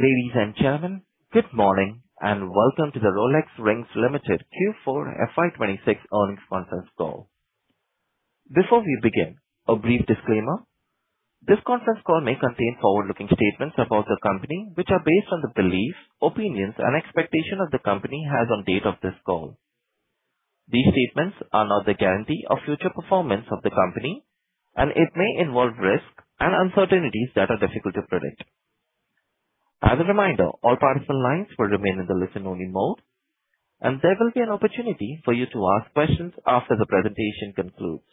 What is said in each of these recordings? Ladies and gentlemen, good morning, and welcome to the Rolex Rings Limited Q4 FY 2026 earnings conference call. Before we begin, a brief disclaimer. This conference call may contain forward-looking statements about the company, which are based on the beliefs, opinions, and expectation of the company as on date of this call. These statements are not the guarantee of future performance of the company, and it may involve risk and uncertainties that are difficult to predict. As a reminder, all participant lines will remain in the listen-only mode, and there will be an opportunity for you to ask questions after the presentation concludes.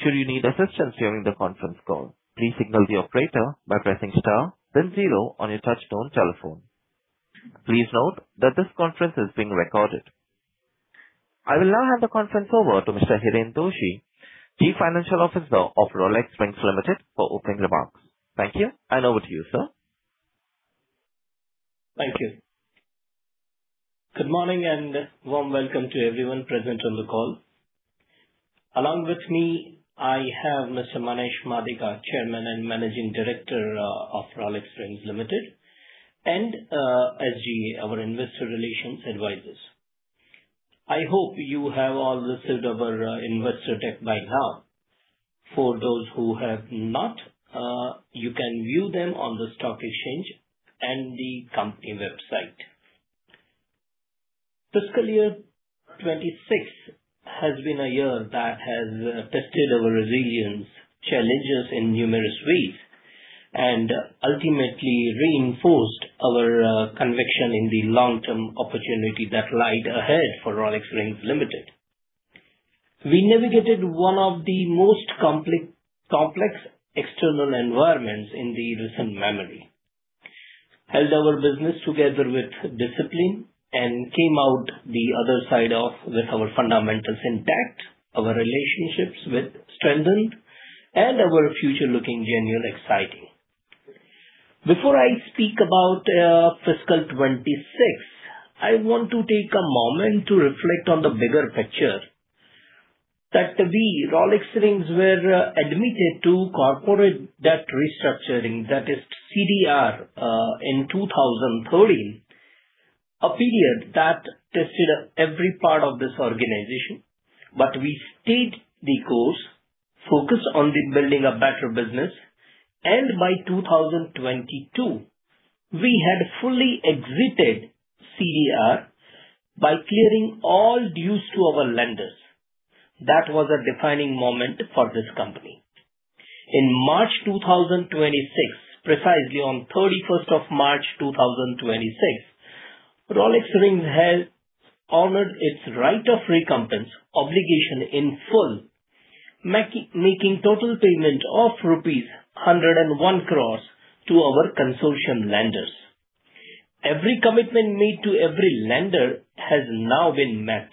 Should you need assistance during the conference call, please signal the operator by pressing star then zero on your touch-tone telephone. Please note that this conference is being recorded. I will now hand the conference over to Mr. Hiren Doshi, Chief Financial Officer of Rolex Rings Limited, for opening remarks. Thank you, and over to you, sir. Thank you. Good morning and warm welcome to everyone present on the call. Along with me, I have Mr. Manesh Madeka, our Chairman and Managing Director of Rolex Rings Limited, and SGA, our investor relations advisors. I hope you have all received our investor deck by now. For those who have not, you can view them on the stock exchange and the company website. Fiscal year 2026 has been a year that has tested our resilience, challenged us in numerous ways, and ultimately reinforced our conviction in the long-term opportunity that lied ahead for Rolex Rings Limited. We navigated one of the most complex external environments in the recent memory, held our business together with discipline, and came out the other side of with our fundamentals intact, our relationships with strengthened, and our future looking genuinely exciting. Before I speak about fiscal 2026, I want to take a moment to reflect on the bigger picture that we, Rolex Rings, were admitted to corporate debt restructuring, that is CDR, in 2013, a period that tested every part of this organization. We stayed the course, focused on building a better business, and by 2022, we had fully exited CDR by clearing all dues to our lenders. That was a defining moment for this company. In March 2026, precisely on 31 of March 2026, Rolex Rings has honored its right of recompense obligation in full, making total payment of rupees 101 crores to our consortium lenders. Every commitment made to every lender has now been met.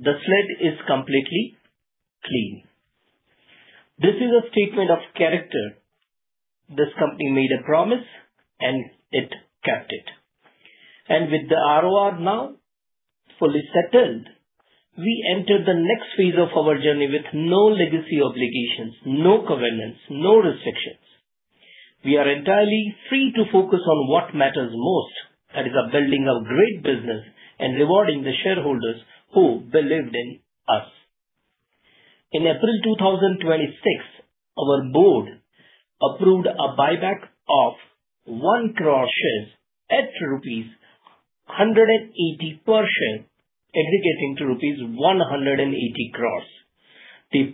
The slate is completely clean. This is a statement of character. This company made a promise, and it kept it. With the ROR now fully settled, we enter the next phase of our journey with no legacy obligations, no covenants, no restrictions. We are entirely free to focus on what matters most. That is the building a great business and rewarding the shareholders who believed in us. In April 2026, our board approved a buyback of 1 crore shares at rupees 180 per share, aggregating to INR 180 crores. The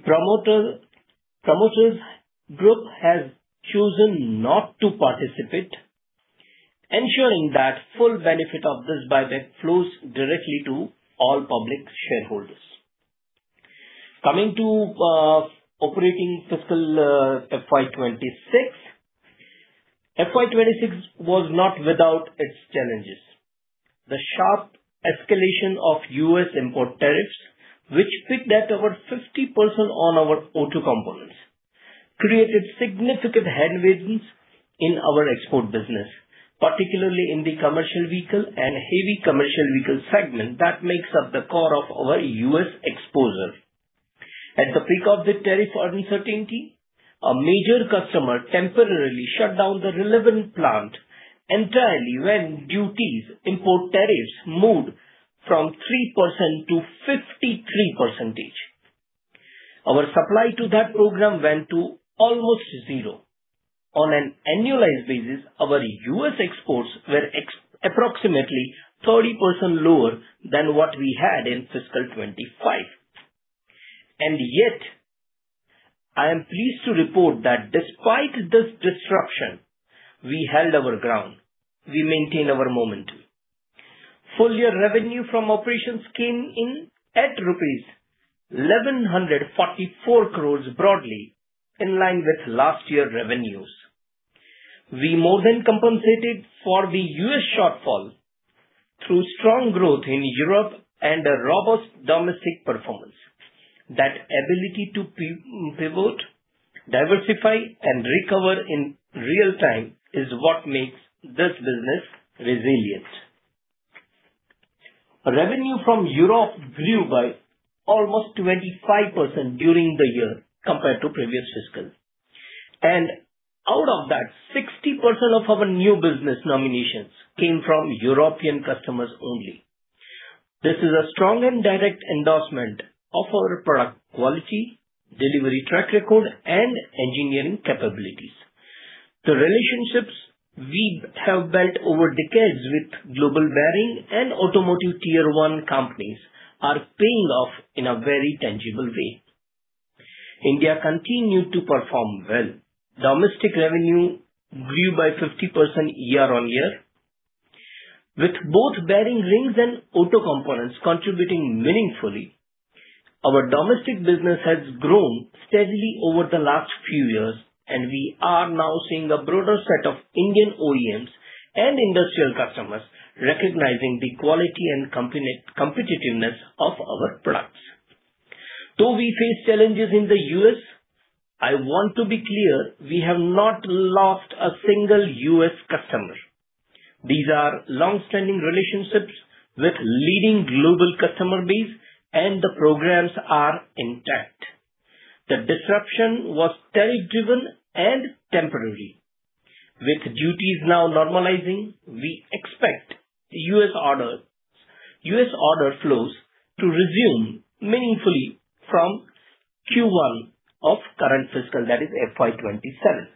promoters group has chosen not to participate, ensuring that full benefit of this buyback flows directly to all public shareholders. Coming to operating fiscal FY 2026. FY 2026 was not without its challenges. The sharp escalation of U.S. import tariffs, which peaked at over 50% on our auto components, created significant headwinds in our export business, particularly in the commercial vehicle and heavy commercial vehicle segment that makes up the core of our U.S. exposure. At the peak of the tariff uncertainty, a major customer temporarily shut down the relevant plant entirely when duties import tariffs moved from 3%-53%. Our supply to that program went to almost zero. On an annualized basis, our U.S. exports were approximately 30% lower than what we had in fiscal 2025. Yet, I am pleased to report that despite this disruption, we held our ground. We maintained our momentum. Full year revenue from operations came in at rupees 1,144 crores, broadly in line with last year revenues. We more than compensated for the U.S. shortfall through strong growth in Europe and a robust domestic performance. That ability to pivot, diversify, and recover in real time is what makes this business resilient. Revenue from Europe grew by almost 25% during the year compared to previous fiscal. Out of that, 60% of our new business nominations came from European customers only. This is a strong and direct endorsement of our product quality, delivery track record, and engineering capabilities. The relationships we have built over decades with global bearing and automotive Tier 1 companies are paying off in a very tangible way. India continued to perform well. Domestic revenue grew by 50% year-on-year, with both bearing rings and auto components contributing meaningfully. Our domestic business has grown steadily over the last few years, and we are now seeing a broader set of Indian OEMs and industrial customers recognizing the quality and competitiveness of our products. Though we face challenges in the U.S., I want to be clear we have not lost a single U.S. customer. These are long-standing relationships with leading global customer base, and the programs are intact. The disruption was tariff-driven and temporary. With duties now normalizing, we expect U.S. order flows to resume meaningfully from Q1 of current fiscal, that is FY 2027.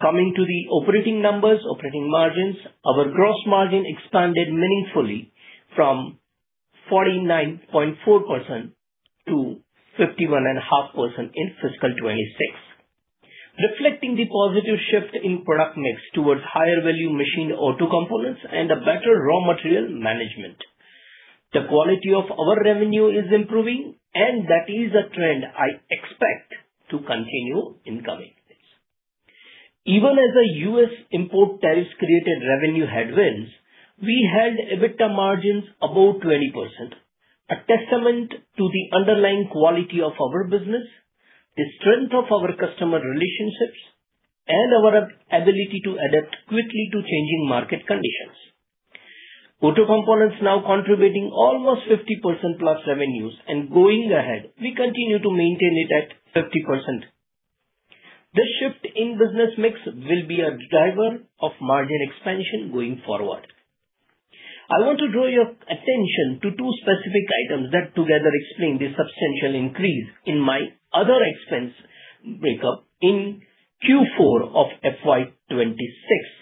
Coming to the operating numbers, operating margins. Our gross margin expanded meaningfully from 49.4%-51.5% in fiscal 2026, reflecting the positive shift in product mix towards higher-value machined auto components and a better raw material management. The quality of our revenue is improving, and that is a trend I expect to continue in coming years. Even as the U.S. import tariffs created revenue headwinds, we had EBITDA margins above 20%, a testament to the underlying quality of our business, the strength of our customer relationships, and our ability to adapt quickly to changing market conditions. Auto components now contributing almost 50%+ revenues. Going ahead, we continue to maintain it at 50%. This shift in business mix will be a driver of margin expansion going forward. I want to draw your attention to two specific items that together explain the substantial increase in my other expense breakup in Q4 of FY 2026,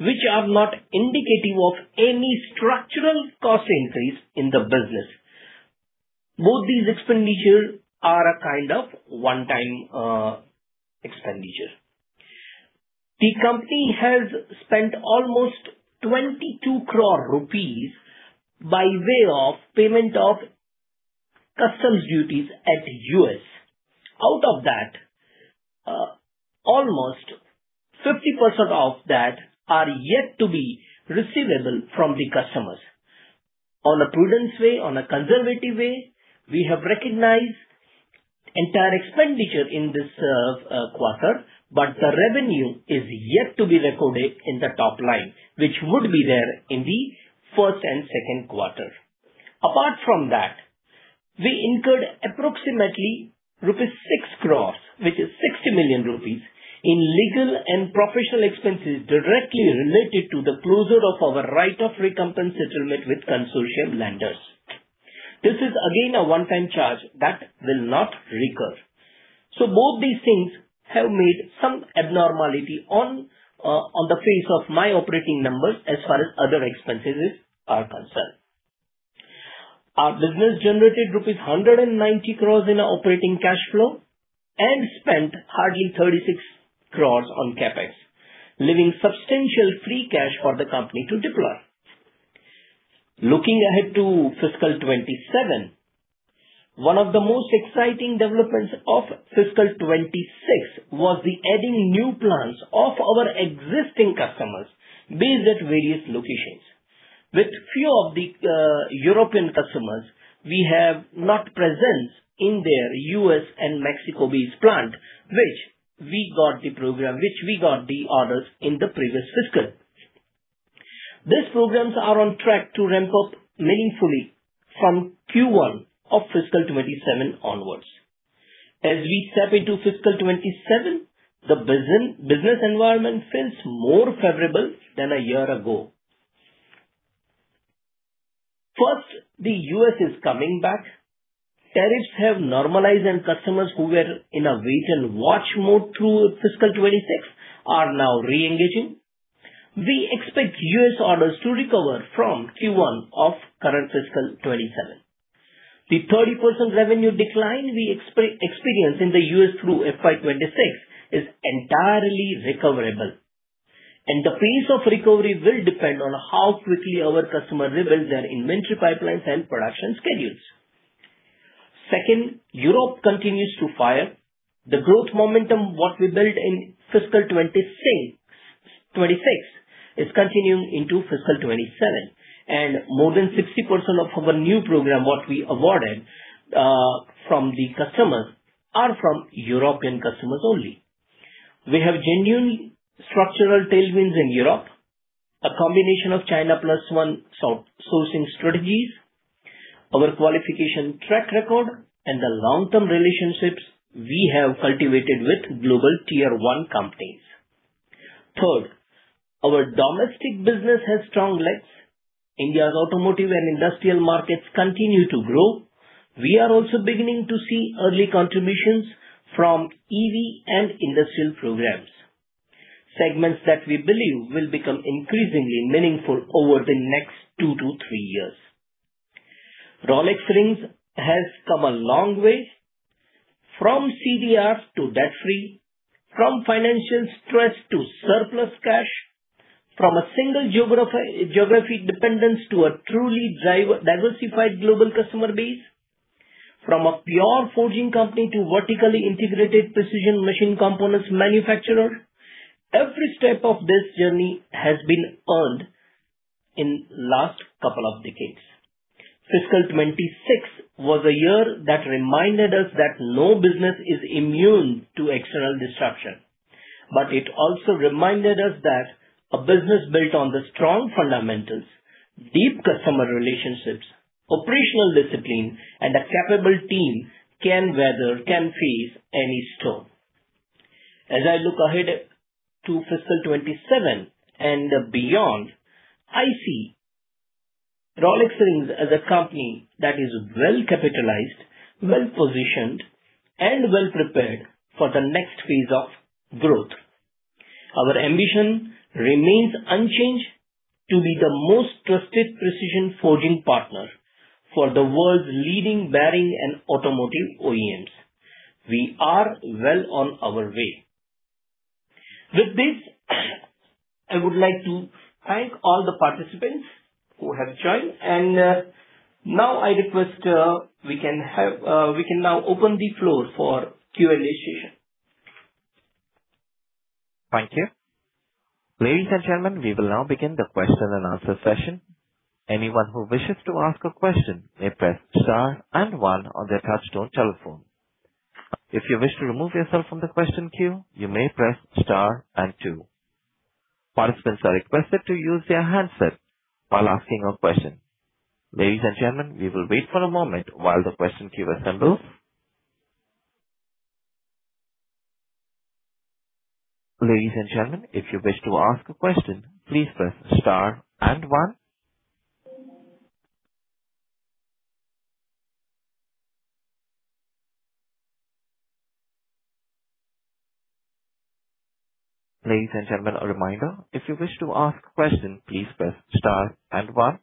which are not indicative of any structural cost increase in the business. Both these expenditures are a kind of one-time expenditure. The company has spent almost 22 crore rupees by way of payment of customs duties at U.S. Out of that, almost 50% of that are yet to be receivable from the customers. On a prudence way, on a conservative way, we have recognized entire expenditure in this quarter, but the revenue is yet to be recorded in the top line, which would be there in the first and second quarter. Apart from that, we incurred approximately rupees 6 crore, which is 60 million rupees, in legal and professional expenses directly related to the closure of our right of recompense settlement with consortium lenders. This is again a one-time charge that will not recur. Both these things have made some abnormality on the face of my operating numbers as far as other expenses are concerned. Our business generated rupees 190 crores in our operating cash flow and spent hardly 36 crores on CapEx, leaving substantial free cash for the company to deploy. Looking ahead to FY 2027, one of the most exciting developments of FY 2026 was the adding new plants of our existing customers based at various locations. With few of the European customers, we have not presence in their U.S. and Mexico-based plant, which we got the program, which we got the orders in the previous fiscal. These programs are on track to ramp up meaningfully from Q1 of FY 2027 onwards. We step into FY 2027, the business environment feels more favorable than a year ago. First, the U.S. is coming back. Tariffs have normalized, customers who were in a wait-and-watch mode through FY 2026 are now reengaging. We expect U.S. orders to recover from Q1 of current fiscal 2027. The 30% revenue decline we experience in the U.S. through FY 2026 is entirely recoverable, and the pace of recovery will depend on how quickly our customers rebuild their inventory pipelines and production schedules. Second, Europe continues to fire. The growth momentum what we built in fiscal 2026 is continuing into fiscal 2027, and more than 60% of our new program what we awarded from the customers are from European customers only. We have genuine structural tailwinds in Europe, a combination of China Plus One sourcing strategies, our qualification track record, and the long-term relationships we have cultivated with global Tier 1 companies. Third, our domestic business has strong legs. India's automotive and industrial markets continue to grow. We are also beginning to see early contributions from EV and industrial programs, segments that we believe will become increasingly meaningful over the next two to three years. Rolex Rings has come a long way from CDR to debt-free, from financial stress to surplus cash, from a single geography dependence to a truly diversified global customer base, from a pure forging company to vertically integrated precision machine components manufacturer. Every step of this journey has been earned in last couple of decades. Fiscal 2026 was a year that reminded us that no business is immune to external disruption. It also reminded us that a business built on the strong fundamentals, deep customer relationships, operational discipline, and a capable team can weather, can face any storm. As I look ahead to fiscal 2027 and beyond, I see Rolex Rings as a company that is well-capitalized, well-positioned, and well-prepared for the next phase of growth. Our ambition remains unchanged to be the most trusted precision forging partner for the world's leading bearing and automotive OEMs. We are well on our way. With this, I would like to thank all the participants who have joined. Now I request, we can now open the floor for Q&A session. Thank you. Ladies and gentlemen, we will now begin the question and answer session. Any one who wishes to ask a question press start and one on your touchtone telephone. If you wish to remove yourself from the question queue you may press star and two. Participants are expected to use their handset when asking a question. Ladies and gentlemen we will wait for a moment while the question queue assemble. Ladies and gentlemen if you wish to ask a question please press star and one. Ladies and gentlemen a reminder if you wish to ask a question please press star and one.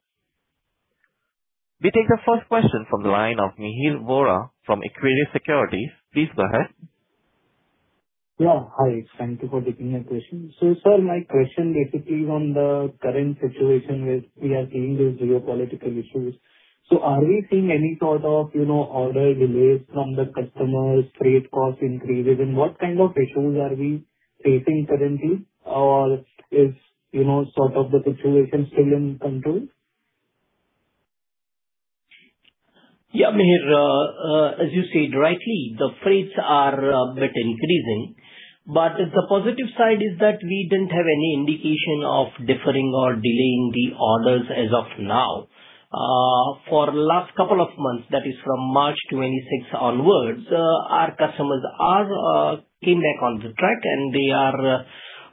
We take the first question from the line of Mihir Vora from Equirus Securities. Please go ahead. Yeah, hi. Thank you for taking my question. Sir, my question basically is on the current situation which we are seeing is geopolitical issues. Are we seeing any sort of, you know, order delays from the customers, freight cost increases, and what kind of issues are we facing currently, or is, you know, sort of the situation still in control? Yeah Mihir, as you said rightly, the freights are a bit increasing, but the positive side is that we didn't have any indication of differing or delaying the orders as of now. For last couple of months, that is from March 26 onwards, our customers are came back on the track, and they are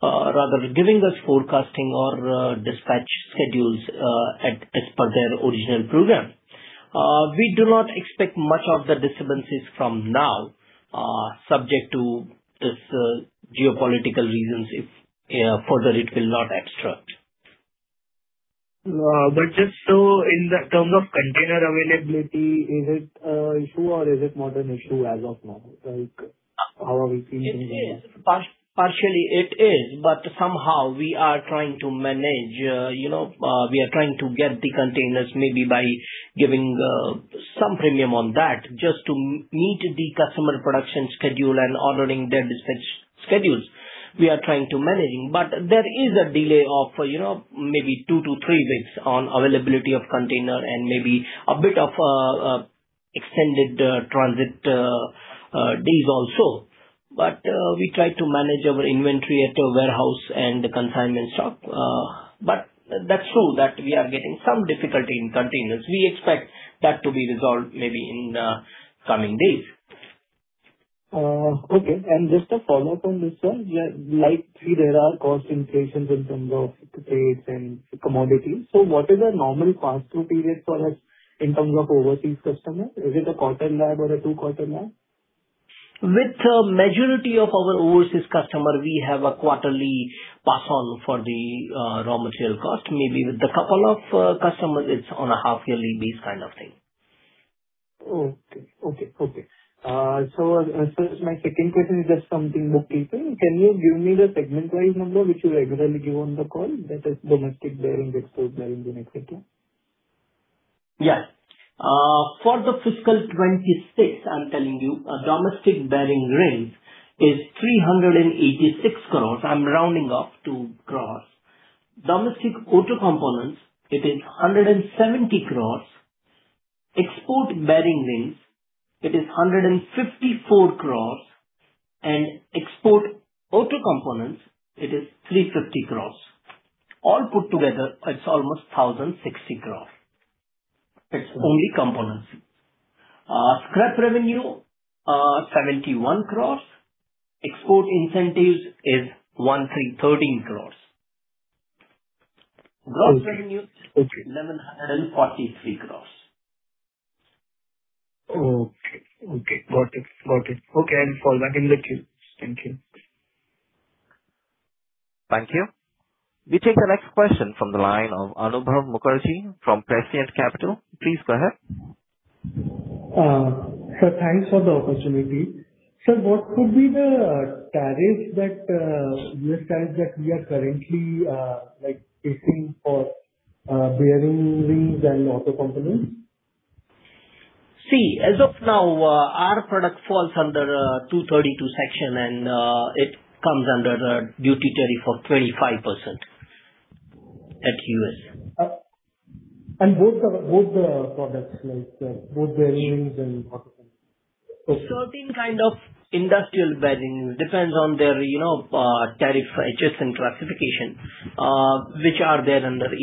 rather giving us forecasting or dispatch schedules as per their original program. We do not expect much of the discrepancies from now, subject to this geopolitical reasons if further it will not escalate. Just so in the terms of container availability, is it a issue or is it not an issue as of now? Like how are we seeing that? It is. Partially it is, somehow we are trying to manage, you know, we are trying to get the containers maybe by giving some premium on that just to meet the customer production schedule and honoring their dispatch schedules. We are trying to manage. There is a delay of, you know, maybe two to three weeks on availability of container and maybe a bit of extended transit days also. We try to manage our inventory at our warehouse and the consignment shop. That's true that we are getting some difficulty in containers. We expect that to be resolved maybe in coming days. Okay. Just a follow-up on this one. Yeah. Like, see, there are cost increases in terms of freights and commodities. What is our normal pass-through period for us in terms of overseas customers? Is it a quarter lag or a two-quarter lag? With the majority of our overseas customer, we have a quarterly pass on for the raw material cost. Maybe with the couple of customers, it's on a half-yearly base kind of thing. Okay. Okay. Okay. My second question is just something bookkeeping. Can you give me the segment-wise number which you regularly give on the call that is domestic bearing, export bearing? Yeah. For the fiscal 2026, I'm telling you a domestic bearing rings is 386 crores. I'm rounding up to crores. Domestic auto components, it is 170 crores. Export bearing rings, it is 154 crores. Export auto components, it is 350 crores. All put together, it's almost 1,060 crores. It's only components. Scrap revenue, 71 crores. Export incentives is 13 crores. Okay. Gross revenue Okay. 1,143 crores. Okay. Okay, got it. Got it. Okay, I'll follow back in the queue. Thank you. Thank you. We take the next question from the line of Anubhav Mukherjee from Prescient Capital. Please go ahead. Sir, thanks for the opportunity. Sir, what could be the tariffs that U.S. tariffs that we are currently like facing for bearing rings and auto components? See, as of now, our product falls under Section 232 and it comes under the duty tariff of 25% at U.S. Both the products like both the rings and auto components. Certain kind of industrial bearing depends on their, you know, tariff HSN and classification, which are there under 18%,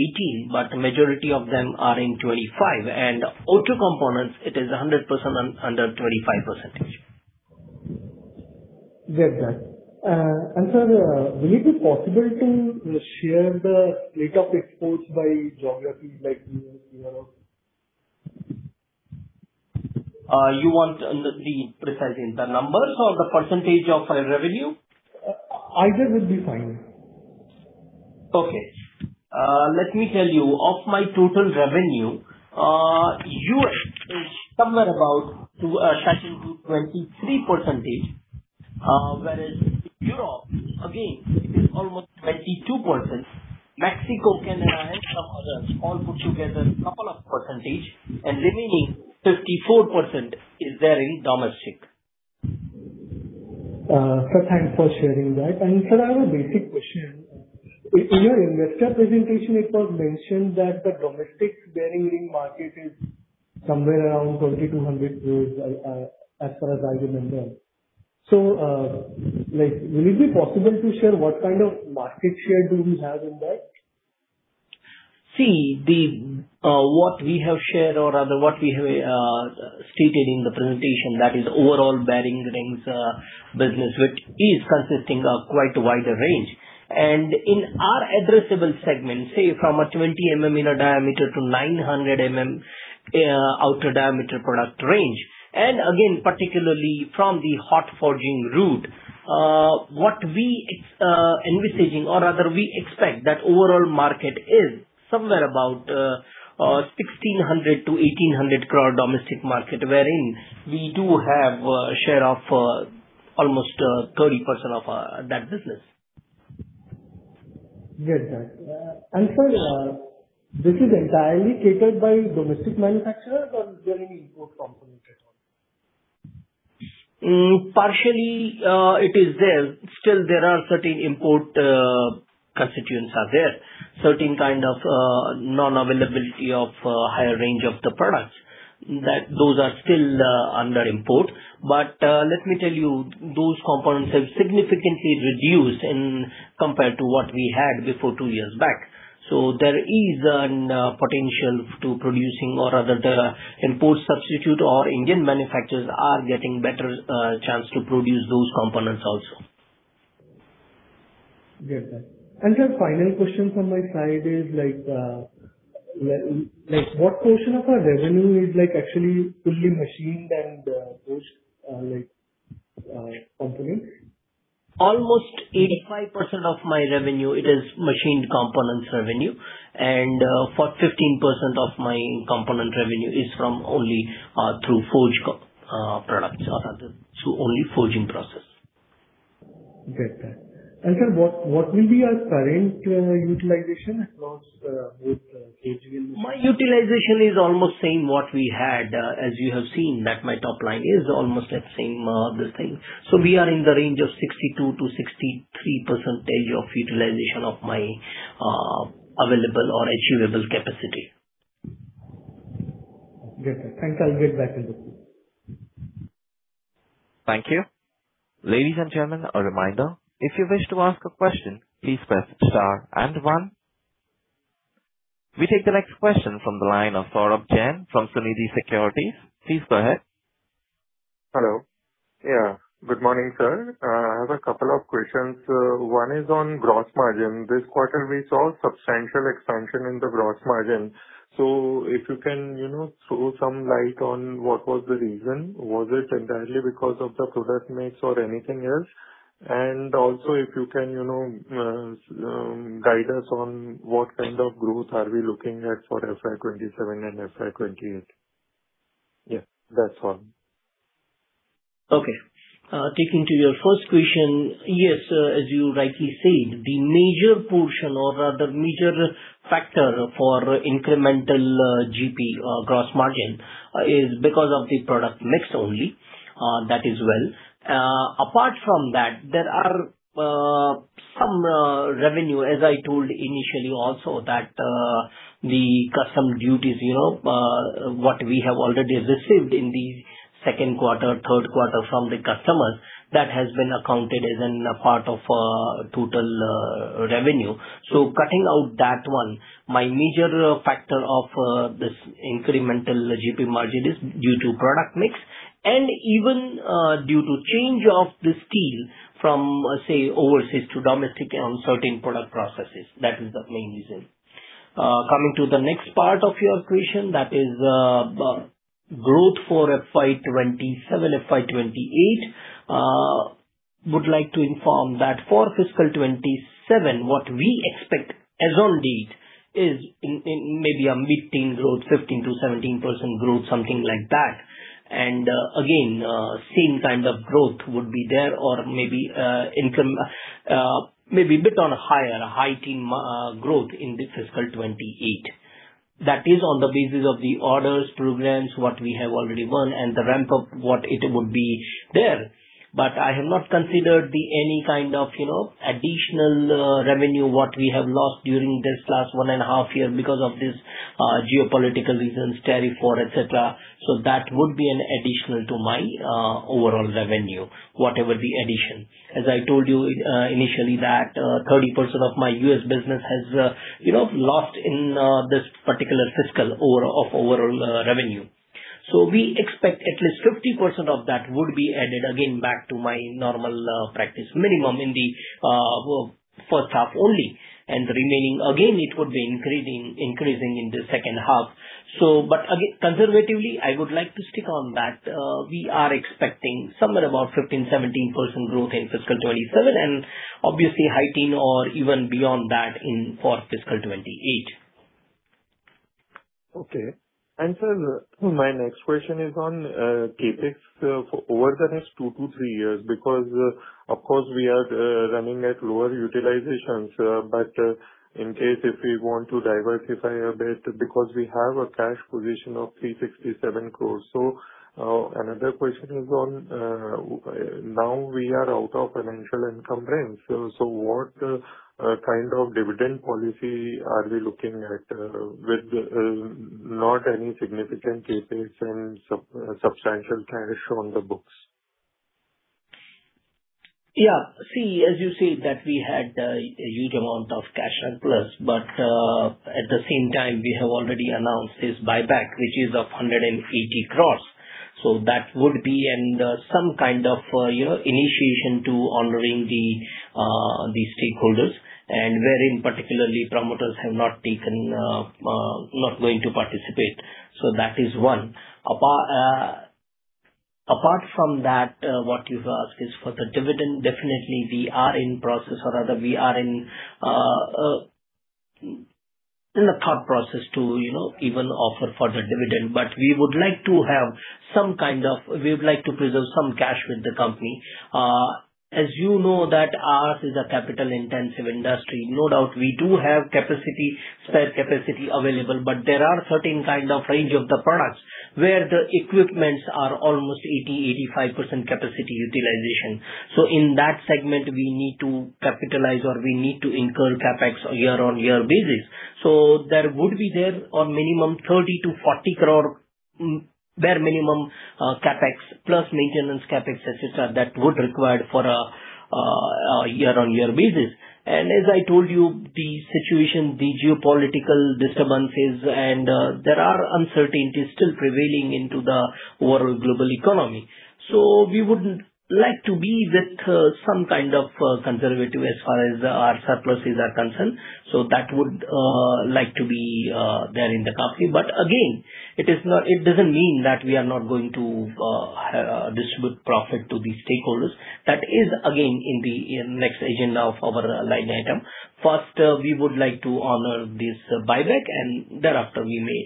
but majority of them are in 25%. Auto components it is a 100% under 25%. Get that. Sir, will it be possible to share the state of exports by geography like U.S., Europe? You want the precise in the numbers or the percentage of our revenue? Either will be fine. Okay. Let me tell you of my total revenue, U.S. is somewhere about to touching to 23%, whereas Europe again is almost 22%. Mexico, Canada, and some others all put together couple of percentage and remaining 54% is there in domestic. Sir, thanks for sharing that. Sir, I have a basic question. In your investor presentation it was mentioned that the domestic bearing ring market is somewhere around 2,200 crores, as far as I remember. Like, will it be possible to share what kind of market share do we have in that? See, the what we have shared or rather what we have stated in the presentation that is overall bearing rings business which is consisting of quite a wider range. In our addressable segment, say from a 20 mm inner diameter to 900 mm outer diameter product range, and again, particularly from the hot forging route, what we envisaging or rather we expect that overall market is somewhere about 1,600 crore-1,800 crore domestic market, wherein we do have a share of almost 30% of that business. Get that. Sir, this is entirely catered by domestic manufacturer or is there any import component at all? Partially, it is there. Still there are certain import constituents are there. Certain kind of non-availability of higher range of the products that those are still under import. Let me tell you, those components have significantly reduced in compared to what we had before two years back. There is an potential to producing or rather there are import substitute or Indian manufacturers are getting better chance to produce those components also. Get that. Sir, final question from my side is like, what portion of our revenue is like actually fully machined and, those, like, components? Almost 85% of my revenue it is machined components revenue and, for 15% of my component revenue is from only, through forge products or rather through only forging process. Get that. sir, what will be our current utilization across both [KGVL My utilization is almost same what we had. As you have seen that my top line is almost at same, this thing. We are in the range of 62%-63% of utilization of my available or achievable capacity. Get that. Thanks. I'll get back in the queue. Thank you. Ladies and gentlemen, a reminder, if you wish to ask a question, please press star and one. We take the next question from the line of Saurabh Jain from Sunidhi Securities. Please go ahead. Hello. Yeah, good morning, sir. I have a couple of questions. One is on gross margin. This quarter we saw substantial expansion in the gross margin. If you can, you know, throw some light on what was the reason. Was it entirely because of the product mix or anything else? Also if you can, you know, guide us on what kind of growth are we looking at for FY 2027 and FY 2028. Yeah, that's all. Okay. Taking to your first question, yes, as you rightly said, the major portion or rather major factor for incremental GP or gross margin is because of the product mix only, that is well. Apart from that, there are Some revenue, as I told initially also that the custom duties, you know, what we have already received in the second quarter, third quarter from the customers, that has been accounted as in a part of total revenue. Cutting out that one, my major factor of this incremental GP margin is due to product mix and even due to change of the steel from, say, overseas to domestic on certain product processes. That is the main reason. Coming to the next part of your question, that is, growth for FY 2027, FY 2028. Would like to inform that for fiscal 2027, what we expect as on date is in maybe a mid-teen growth, 15%-17% growth, something like that. Again, same kind of growth would be there or maybe income, maybe a bit on higher, high-teen growth in the fiscal 2028. That is on the basis of the orders, programs, what we have already won and the ramp-up, what it would be there. I have not considered the any kind of, you know, additional revenue, what we have lost during this last one and a half year because of this geopolitical reasons, tariff war, et cetera. That would be an additional to my overall revenue, whatever the addition. As I told you, initially that 30% of my U.S. business has, you know, lost in this particular fiscal of overall revenue. We expect at least 50% of that would be added again back to my normal practice minimum in the first half only, and the remaining, again, it would be increasing in the second half. Again, conservatively, I would like to stick on that. We are expecting somewhere about 15%-17% growth in fiscal 2027, and obviously high-teen or even beyond that for fiscal 2028. Okay. Sir, my next question is on CapEx over the next two to three years, because of course we are running at lower utilizations. In case if we want to diversify a bit because we have a cash position of 367 crores. Another question is on now we are out of financial income range. What kind of dividend policy are we looking at with not any significant CapEx and substantial cash on the books? As you say that we had a huge amount of cash surplus, at the same time we have already announced this buyback, which is of 180 crores. That would be and some kind of, you know, initiation to honoring the stakeholders, and wherein particularly promoters have not taken, not going to participate. That is one. Apart from that, what you've asked is for the dividend, definitely we are in process or rather we are in the thought process to, you know, even offer for the dividend. We would like to preserve some cash with the company. As you know that ours is a capital-intensive industry. No doubt we do have capacity, spare capacity available, but there are certain kind of range of the products where the equipments are almost 80%-85% capacity utilization. In that segment we need to capitalize or we need to incur CapEx year-on-year basis. There would be a minimum 30 crore-40 crore bare minimum CapEx plus maintenance CapEx, et cetera, that would require for a year-on-year basis. As I told you, the situation, the geopolitical disturbances and there are uncertainties still prevailing into the overall global economy. We would like to be with some kind of conservative as far as our surpluses are concerned. That would like to be there in the company. Again, it is not, it doesn't mean that we are not going to distribute profit to the stakeholders. That is again in the next agenda of our line item. First, we would like to honor this buyback and thereafter we may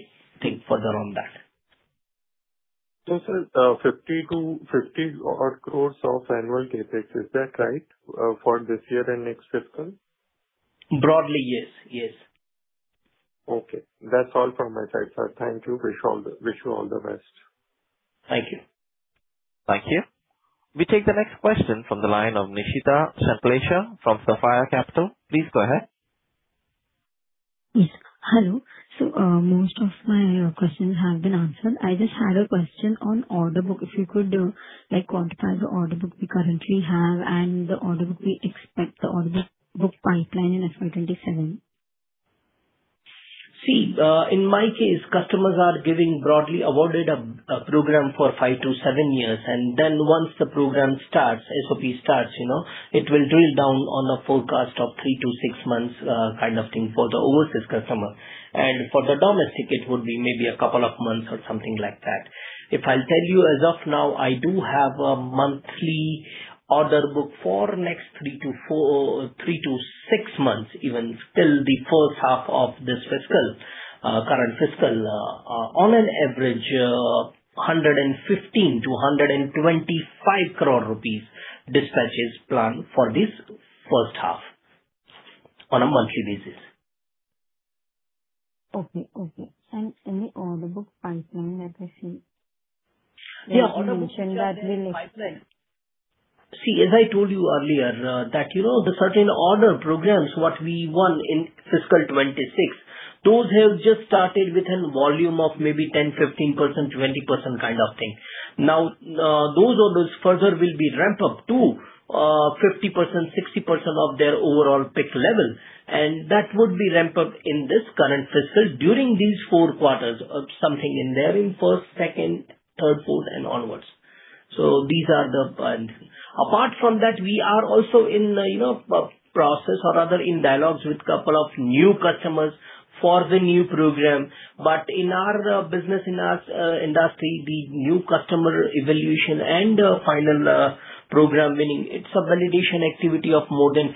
think further on that. sir, INR 50 to 50 odd crores of annual CapEx, is that right, for this year and next fiscal? Broadly, yes. Yes. Okay. That's all from my side, sir. Thank you. Wish you all the best. Thank you. Thank you. We take the next question from the line of Nishita Sanklesha from Sapphire Capital. Please go ahead. Yes. Hello. Most of my questions have been answered. I just had a question on order book, if you could quantify the order book we currently have and the order book we expect, the order book pipeline in FY 2027. See, in my case, customers are giving broadly awarded a program for five to seven years. Then once the program starts, SOP starts, you know, it will drill down on a forecast of three to six months kind of thing for the overseas customer. For the domestic it would be maybe a couple of months or something like that. If I'll tell you as of now, I do have a monthly order book for next three to four or three to six months even till the first half of this fiscal, current fiscal, on an average, 115 crore-125 crore rupees dispatches planned for this first half on a monthly basis. Okay, okay. Any order book pipeline that I see? Yeah. That you mentioned that really. Pipeline. As I told you earlier, that, you know, the certain order programs, what we won in fiscal 2026, those have just started with a volume of maybe 10%, 15%, 20% kind of thing. Those orders further will be ramped up to 50%, 60% of their overall peak level, and that would be ramped up in this current fiscal during these four quarters of something in there, in first, second, third, fourth and onwards. These are the. Apart from that, we are also in, you know, a process or rather in dialogues with couple of new customers for the new program. In our business, in our industry, the new customer evaluation and final program, meaning it's a validation activity of more than 15-18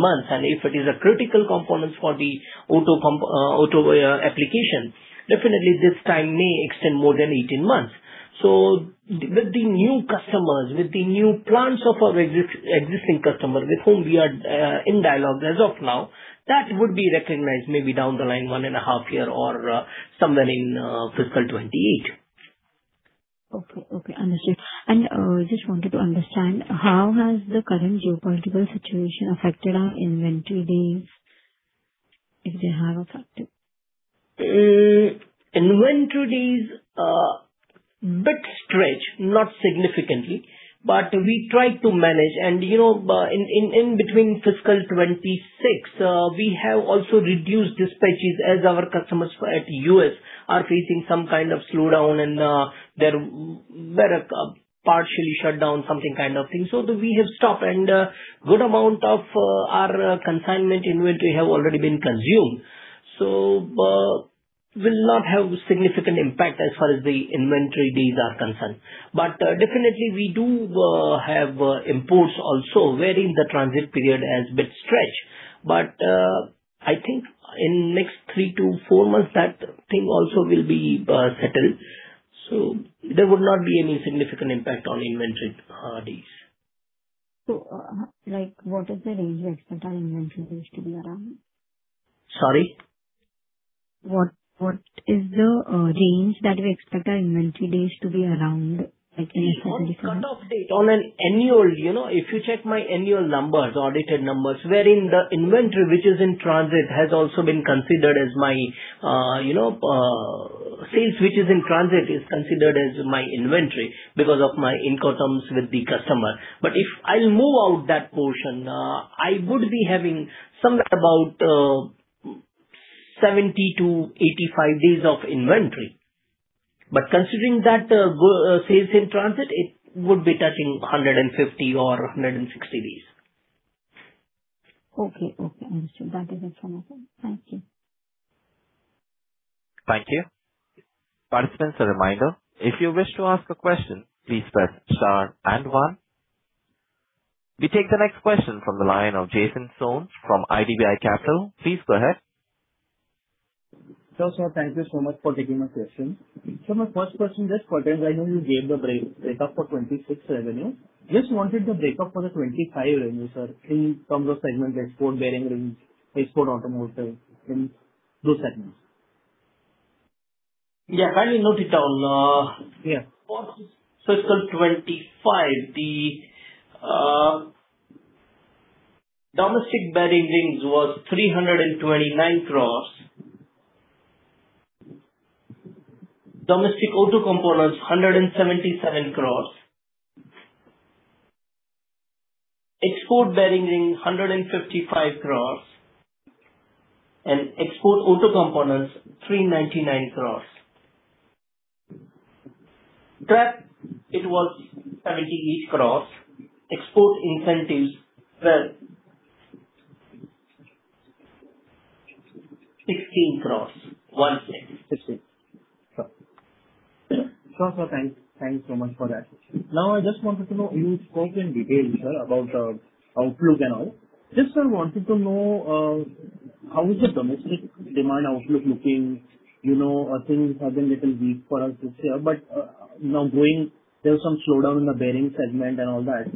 months. If it is a critical component for the auto application, definitely this time may extend more than 18 months. With the new customers, with the new plans of our existing customer with whom we are in dialogue as of now, that would be recognized maybe down the line one and a half year or somewhere in fiscal 2028. Okay, okay. Understood. Just wanted to understand, how has the current geopolitical situation affected our inventory days, if they have affected? Inventory days are bit stretched, not significantly, but we try to manage. You know, in between fiscal 2026, we have also reduced dispatches as our customers at U.S. are facing some kind of slowdown and they're partially shut down, something kind of thing. We have stopped and good amount of our consignment inventory have already been consumed. Will not have significant impact as far as the inventory days are concerned. Definitely we do have imports also, wherein the transit period has bit stretched. I think in next three to four months that thing also will be settled, so there would not be any significant impact on inventory days. like, what is the range we expect our inventory days to be around? Sorry? What is the range that we expect our inventory days to be around, like any specific number? On cut-off date, on an annual, you know, if you check my annual numbers, audited numbers, wherein the inventory which is in transit has also been considered as my, you know, sales which is in transit is considered as my inventory because of my Incoterms with the customer. If I'll move out that portion, I would be having somewhere about 70-85 days of inventory. Considering that sales in transit, it would be touching 150 or 160 days. Okay, okay. Understood. That is it from my side. Thank you. Thank you. Participants, a reminder: If you wish to ask a question, please press star and one. We take the next question from the line of Jason Soans from IDBI Capital. Please go ahead. Sir, thank you so much for taking my question. My first question, just for context, I know you gave the breakup for 2026 revenue. Just wanted the breakup for the 2025 revenue, sir, in terms of segment export bearing rings, export automotive in those segments. Yeah. Can you note it down? Yeah. Fiscal 2025, the domestic bearing rings was 329 crores. Domestic auto components, 177 crores. Export bearing rings, 155 crores. Export auto components, 399 crores. That it was 78 crores. Export incentives. 16 crores. One sec. 16 crores. Sure, sir. Thank you. Thank you so much for that. Now, I just wanted to know, you spoke in detail, sir, about the outlook and all. Just, sir, wanted to know, how is the domestic demand outlook looking, you know, things have been little weak for us this year. Now going there was some slowdown in the bearing segment and all that.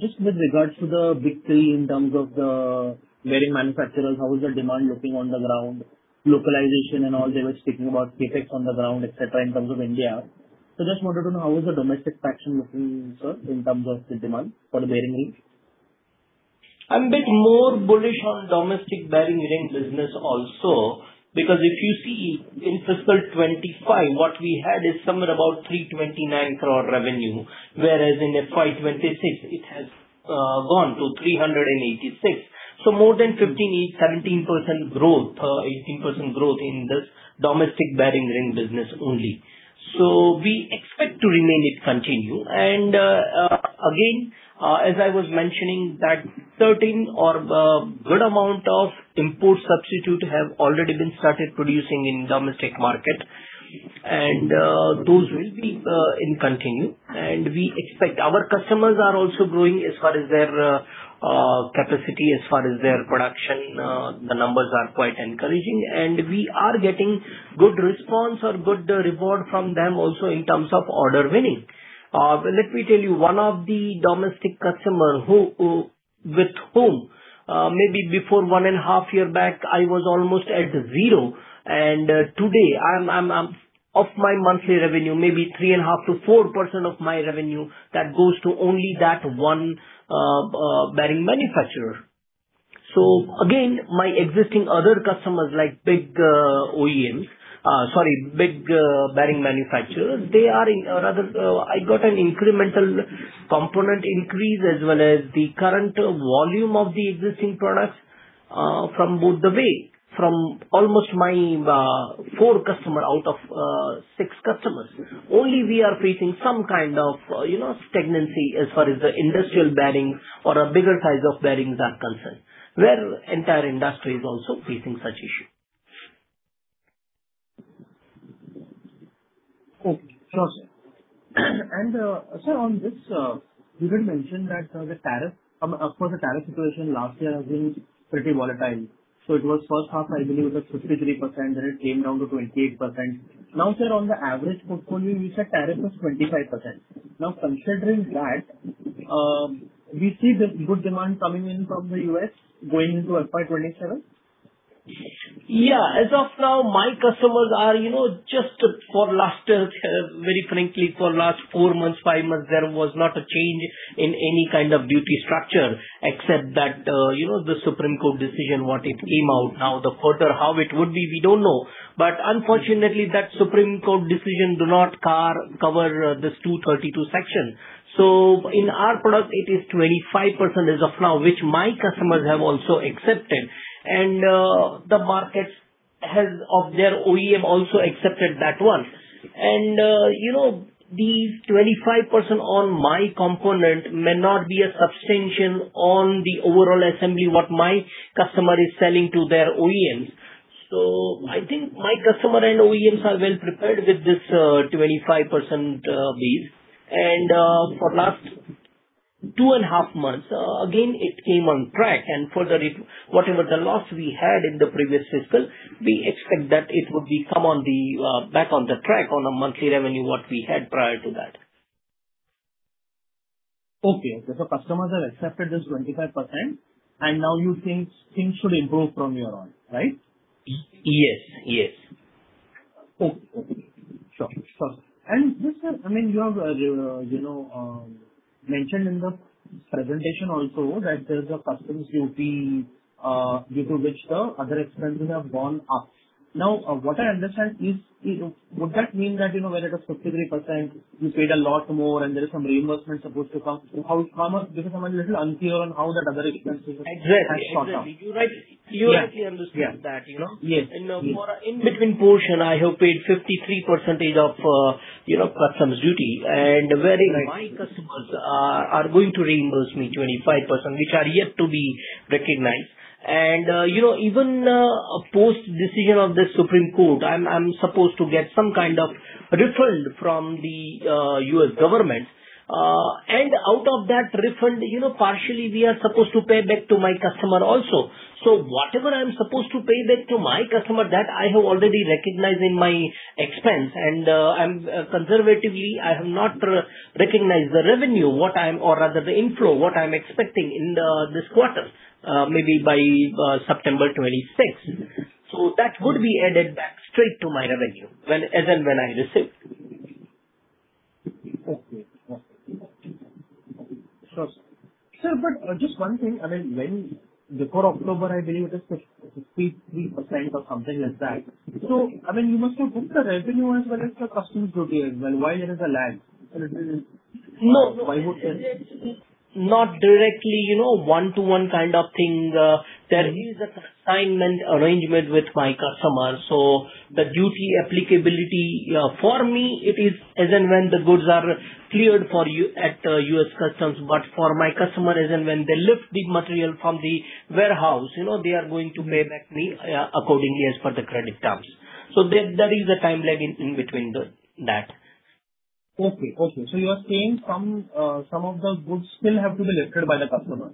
Just with regards to the big three in terms of the bearing manufacturers, how is the demand looking on the ground, localization and all they were speaking about the effects on the ground, et cetera, in terms of India. Just wanted to know how is the domestic traction looking, sir, in terms of the demand for bearing rings? I'm bit more bullish on domestic bearing ring business also because if you see in fiscal 2025, what we had is somewhere about 329 crore revenue, whereas in FY 2026 it has gone to 386 crore. More than 15%, 17% growth, 18% growth in the domestic bearing ring business only. We expect to remain it continue. Again, as I was mentioning that 13 or good amount of import substitute have already been started producing in domestic market, those will be in continue. We expect our customers are also growing as far as their capacity, as far as their production, the numbers are quite encouraging. We are getting good response or good reward from them also in terms of order winning. Let me tell you, one of the domestic customer who, with whom, maybe before one and a half years back I was almost at zero. Today I'm of my monthly revenue, maybe 3.5%-4% of my revenue that goes to only that one bearing manufacturer. My existing other customers like big OEMs, sorry big bearing manufacturers, I got an incremental component increase as well as the current volume of the existing products from both the way. From almost my four customers out of six customers. Only we are facing some kind of, you know, stagnancy as far as the industrial bearings or a bigger size of bearings are concerned, where entire industry is also facing such issue. Okay. Sure, sir. Sir on this, you did mention that the tariff, of course, the tariff situation last year has been pretty volatile. It was first half, I believe it was at 53%, then it came down to 28%. Sir, on the average portfolio, you said tariff was 25%. Considering that, we see the good demand coming in from the U.S. going into FY 2027? Yeah. As of now, my customers are, you know, just for last, very frankly, for last four months, five months, there was not a change in any kind of duty structure except that, you know, the Supreme Court decision what it came out. Now, the further how it would be, we don't know. Unfortunately that Supreme Court decision do not cover this Section 232. In our product it is 25% as of now, which my customers have also accepted. The markets has of their OEM also accepted that one. You know, these 25% on my component may not be a substantial on the overall assembly what my customer is selling to their OEMs. I think my customer and OEMs are well prepared with this 25% base. For last two and a half months, again it came on track. Further if whatever the loss we had in the previous fiscal, we expect that it would be come on the back on the track on a monthly revenue what we had prior to that. Okay. The customers have accepted this 25%, and now you think things should improve from your end. Right? Yes. Yes. Okay. Okay. Sure. Sure. Just, I mean, you have, you know, mentioned in the presentation also that there's a customs duty, due to which the other expenses have gone up. What I understand is, would that mean that, you know, when it was 53%, you paid a lot more and there is some reimbursement supposed to come? How come? Because for me it's a little unclear on how that other expenses- Exactly. Exactly. Has gone up. You right clearly understand that, you know. Yeah. Yeah. Yes. In a more in between portion, I have paid 53% of, you know, customs duty. Right My customers are going to reimburse me 25%, which are yet to be recognized. You know, even post decision of the Supreme Court, I'm supposed to get some kind of refund from the U.S. government. Out of that refund, you know, partially we are supposed to pay back to my customer also. Whatever I'm supposed to pay back to my customer that I have already recognized in my expense, I'm conservatively, I have not re-recognized the revenue or rather the inflow, what I'm expecting in this quarter, maybe by September 26. That would be added back straight to my revenue when, as and when I receive. Okay. Sure. Sure. Sir, just one thing. I mean, when before October, I believe it was 53% or something like that. I mean, you must have booked the revenue as well as the customs duty as well. Why there is a lag? No. Why would there. Not directly, you know, one-to-one kind of thing. There is a consignment arrangement with my customer. The duty applicability, for me it is as and when the goods are cleared for at U.S. customs, but for my customer as and when they lift the material from the warehouse, you know, they are going to pay back me, accordingly as per the credit terms. There is a time lag in between that. Okay. Okay. You are saying some of those goods still have to be lifted by the customer.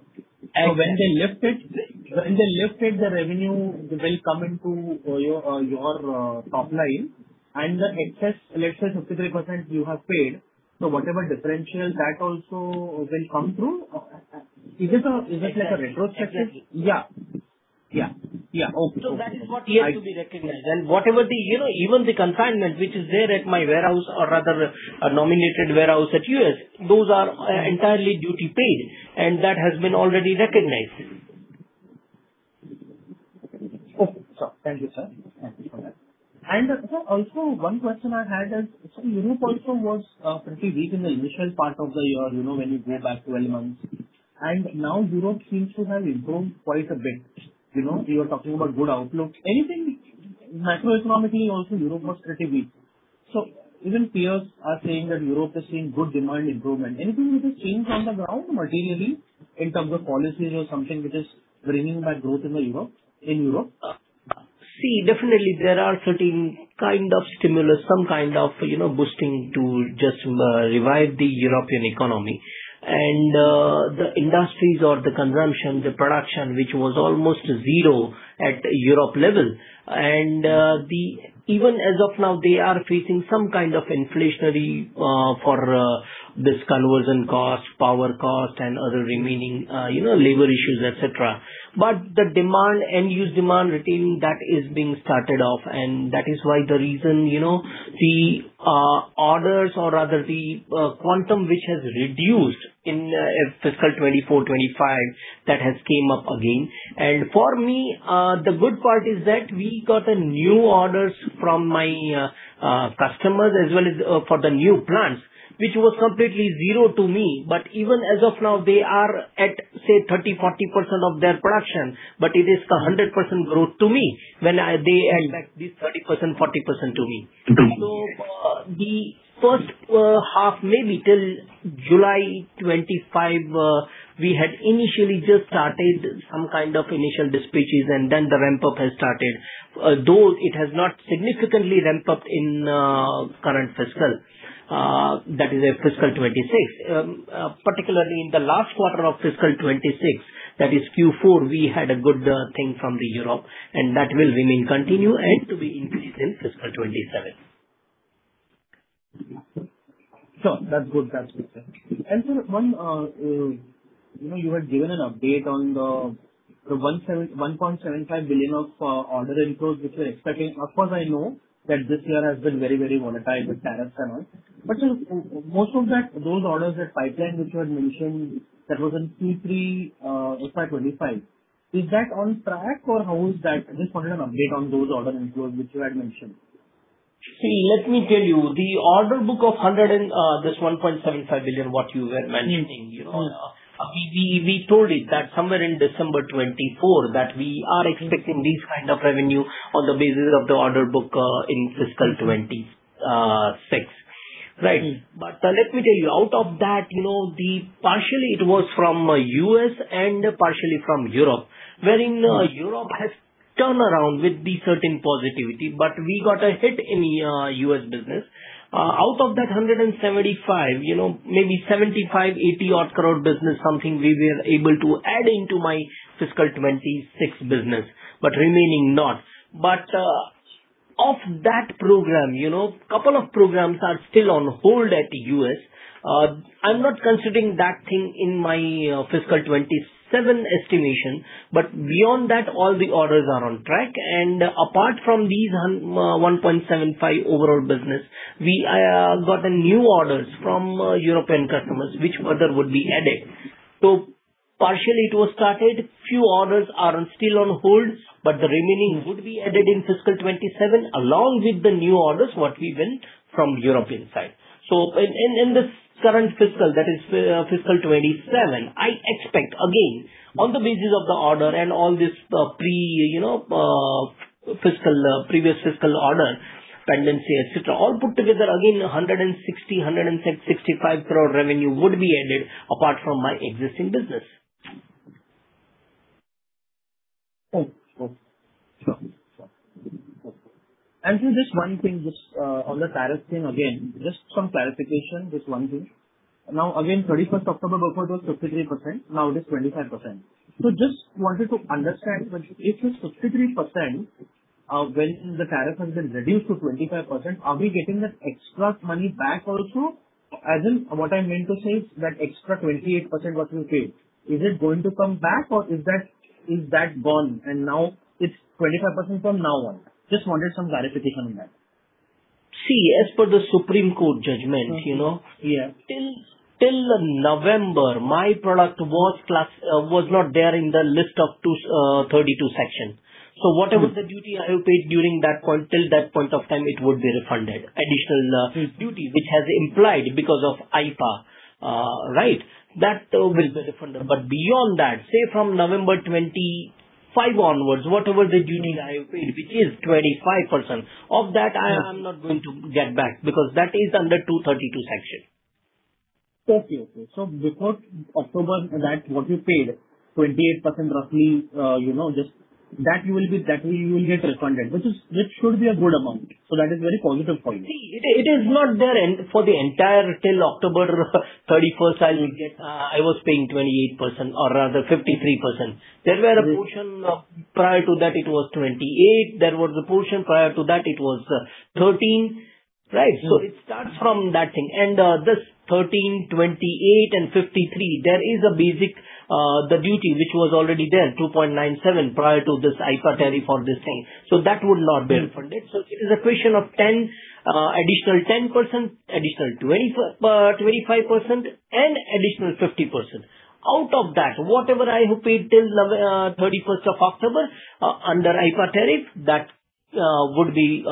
And- When they lifted the revenue will come into your top line and the excess, let's say 53% you have paid. Whatever differential that also will come through. Uh, uh. Is it like a retrospective? Yes. Yes. Yeah. Yeah. Yeah. Okay. Okay. That is what yet to be recognized. Whatever the, you know, even the consignment which is there at my warehouse or rather a nominated warehouse at U.S., those are entirely duty paid and that has been already recognized. Okay. Sure. Thank you, sir. Thank you for that. Sir, also one question I had is, Europe also was pretty weak in the initial part of the year, you know, when you go back 12 months. Now Europe seems to have improved quite a bit. You know, you were talking about good outlook. Anything Macroeconomically also Europe was pretty weak. Even peers are saying that Europe is seeing good demand improvement. Anything which has changed on the ground materially in terms of policies or something which is bringing back growth in Europe? See, definitely there are certain kind of stimulus, some kind of, you know, boosting to just revive the European economy. The industries or the consumption, the production, which was almost zero at Europe level. Even as of now, they are facing some kind of inflationary for this conversion cost, power cost and other remaining, you know, labor issues, et cetera. The demand, end-use demand retaining that is being started off and that is why the reason, you know, the orders or rather the quantum which has reduced in fiscal 2024, 2025, that has came up again. For me, the good part is that we got a new orders from my customers as well as for the new plants, which was completely zero to me. Even as of now, they are at, say, 30%-40% of their production, but it is a 100% growth to me when they add back this 30%-40% to me. The first half, maybe till July 25, we had initially just started some kind of initial dispatches and then the ramp up has started. Though it has not significantly ramped up in current fiscal, that is fiscal 2026. Particularly in the last quarter of fiscal 2026, that is Q4, we had a good thing from the Europe and that will remain continue and to be increased in fiscal 2027. Sure. That's good. That's good, sir. Sir, one, you know, you had given an update on the 1.75 billion of order inflows which you're expecting. Of course, I know that this year has been very, very volatile with tariffs and all. Most of that, those orders at pipeline which you had mentioned that was in Q3, FY 2025, is that on track or how is that? I just wanted an update on those order inflows which you had mentioned. See, let me tell you, the order book of 100 and this 1.75 billion, what you were mentioning. Mm-hmm. Mm-hmm. You know, we told it that somewhere in December 2024 that we are expecting these kind of revenue on the basis of the order book, in fiscal 2026. Right? Let me tell you, out of that, you know, partially it was from, U.S. and partially from Europe. Europe has turned around with the certain positivity, we got a hit in U.S. business. Out of that 175, you know, maybe 75- 80 odd crore business, something we were able to add into my fiscal 2026 business, remaining not. Of that program, you know, couple of programs are still on hold at U.S. I'm not considering that thing in my fiscal 2027 estimation, beyond that, all the orders are on track. Apart from these 1.75 billion overall business, we got new orders from European customers which further would be added. Partially it was started, few orders are still on hold, the remaining would be added in fiscal 2027 along with the new orders what we went from European side. In this current fiscal, that is, fiscal 2027, I expect again, on the basis of the order and all this, you know, previous fiscal order pendency, et cetera, all put together again 165 crore revenue would be added apart from my existing business. Mm-hmm. Sure, sure. Sir, just one thing, just on the tariff thing again, just some clarification, just one thing. Now again, 31st October before it was 53%, now it is 25%. Just wanted to understand, if it's 53%, when the tariff has been reduced to 25%, are we getting that extra money back also? As in, what I meant to say is that extra 28% what we paid, is it going to come back or is that gone and now it's 25% from now on? Just wanted some clarification on that. See, as per the Supreme Court judgment. you know Yeah till November, my product was classed, was not there in the list of 232 Section. Whatever the duty I have paid during that point, till that point of time, it would be refunded. duty which has implied because of IPA, right? That will be refunded. Beyond that, say from November 25 onwards, whatever the duty I have paid, which is 25%. Yeah I'm not going to get back because that is under Section 232. Okay, okay. Before October, that what you paid, 28% roughly, you know, just that you will get refunded, which should be a good amount. That is very positive point. See, it is not there for the entire till October 31 I will get, I was paying 28% or rather 53%. Right. There were a portion, prior to that it was 28%. There was a portion prior to that it was, 13%. Right? It starts from that thing. This 13%, 28% and 53%, there is a basic, the duty which was already there, 2.97, prior to this IPA tariff or this thing. That would not be refunded. It is a question of 10%, additional 10%, additional 25% and additional 50%. Out of that, whatever I have paid till 31 of October, under IPA tariff, that would be,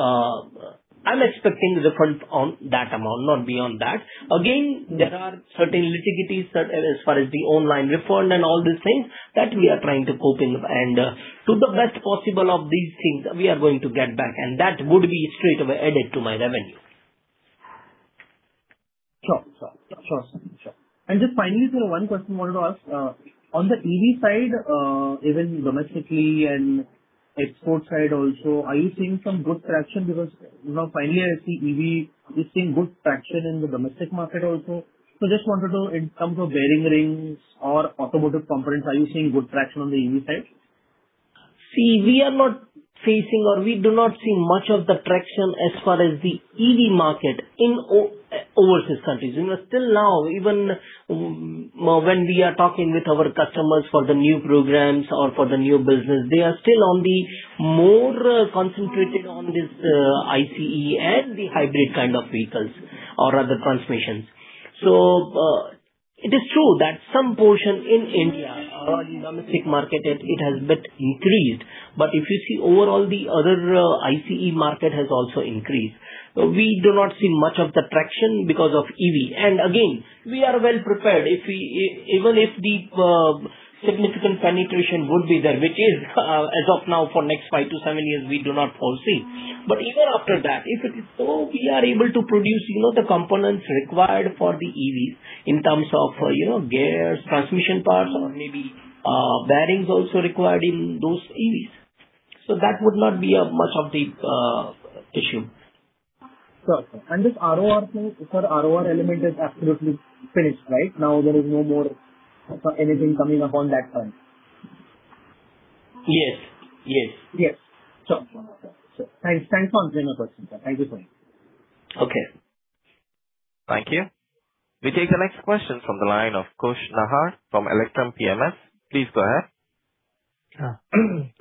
I'm expecting refund on that amount, not beyond that. There are certain litigations that as far as the online refund and all these things, that we are trying to cope in and to the best possible of these things we are going to get back and that would be straight away added to my revenue. Sure. Just finally, sir, one question I wanted to ask. On the EV side, even domestically and export side also, are you seeing some good traction? You know, finally I see EV is seeing good traction in the domestic market also. Just wanted to in terms of bearing rings or automotive components, are you seeing good traction on the EV side? We are not facing or we do not see much of the traction as far as the EV market in overseas countries. You know, still now, even when we are talking with our customers for the new programs or for the new business, they are still on the more concentrated on this, ICE and the hybrid kind of vehicles or other transmissions. It is true that some portion in India or in domestic market it has bit increased, but if you see overall the other, ICE market has also increased. We do not see much of the traction because of EV. Again, we are well prepared if we even if the significant penetration would be there, which is as of now for next five to seven years we do not foresee. Even after that, we are able to produce, you know, the components required for the EVs in terms of, you know, gears, transmission parts or maybe bearings also required in those EVs. That would not be a much of the issue. Sure. This ROR thing, sir, ROR element is absolutely finished, right? Now there is no more anything coming up on that front. Yes. Yes. Yes. Sure. Sure. Thanks. Thanks for answering my questions, sir. Thank you so much. Okay. Thank you. We take the next question from the line of Kush Nahar from Electrum PMS. Please go ahead. Yeah.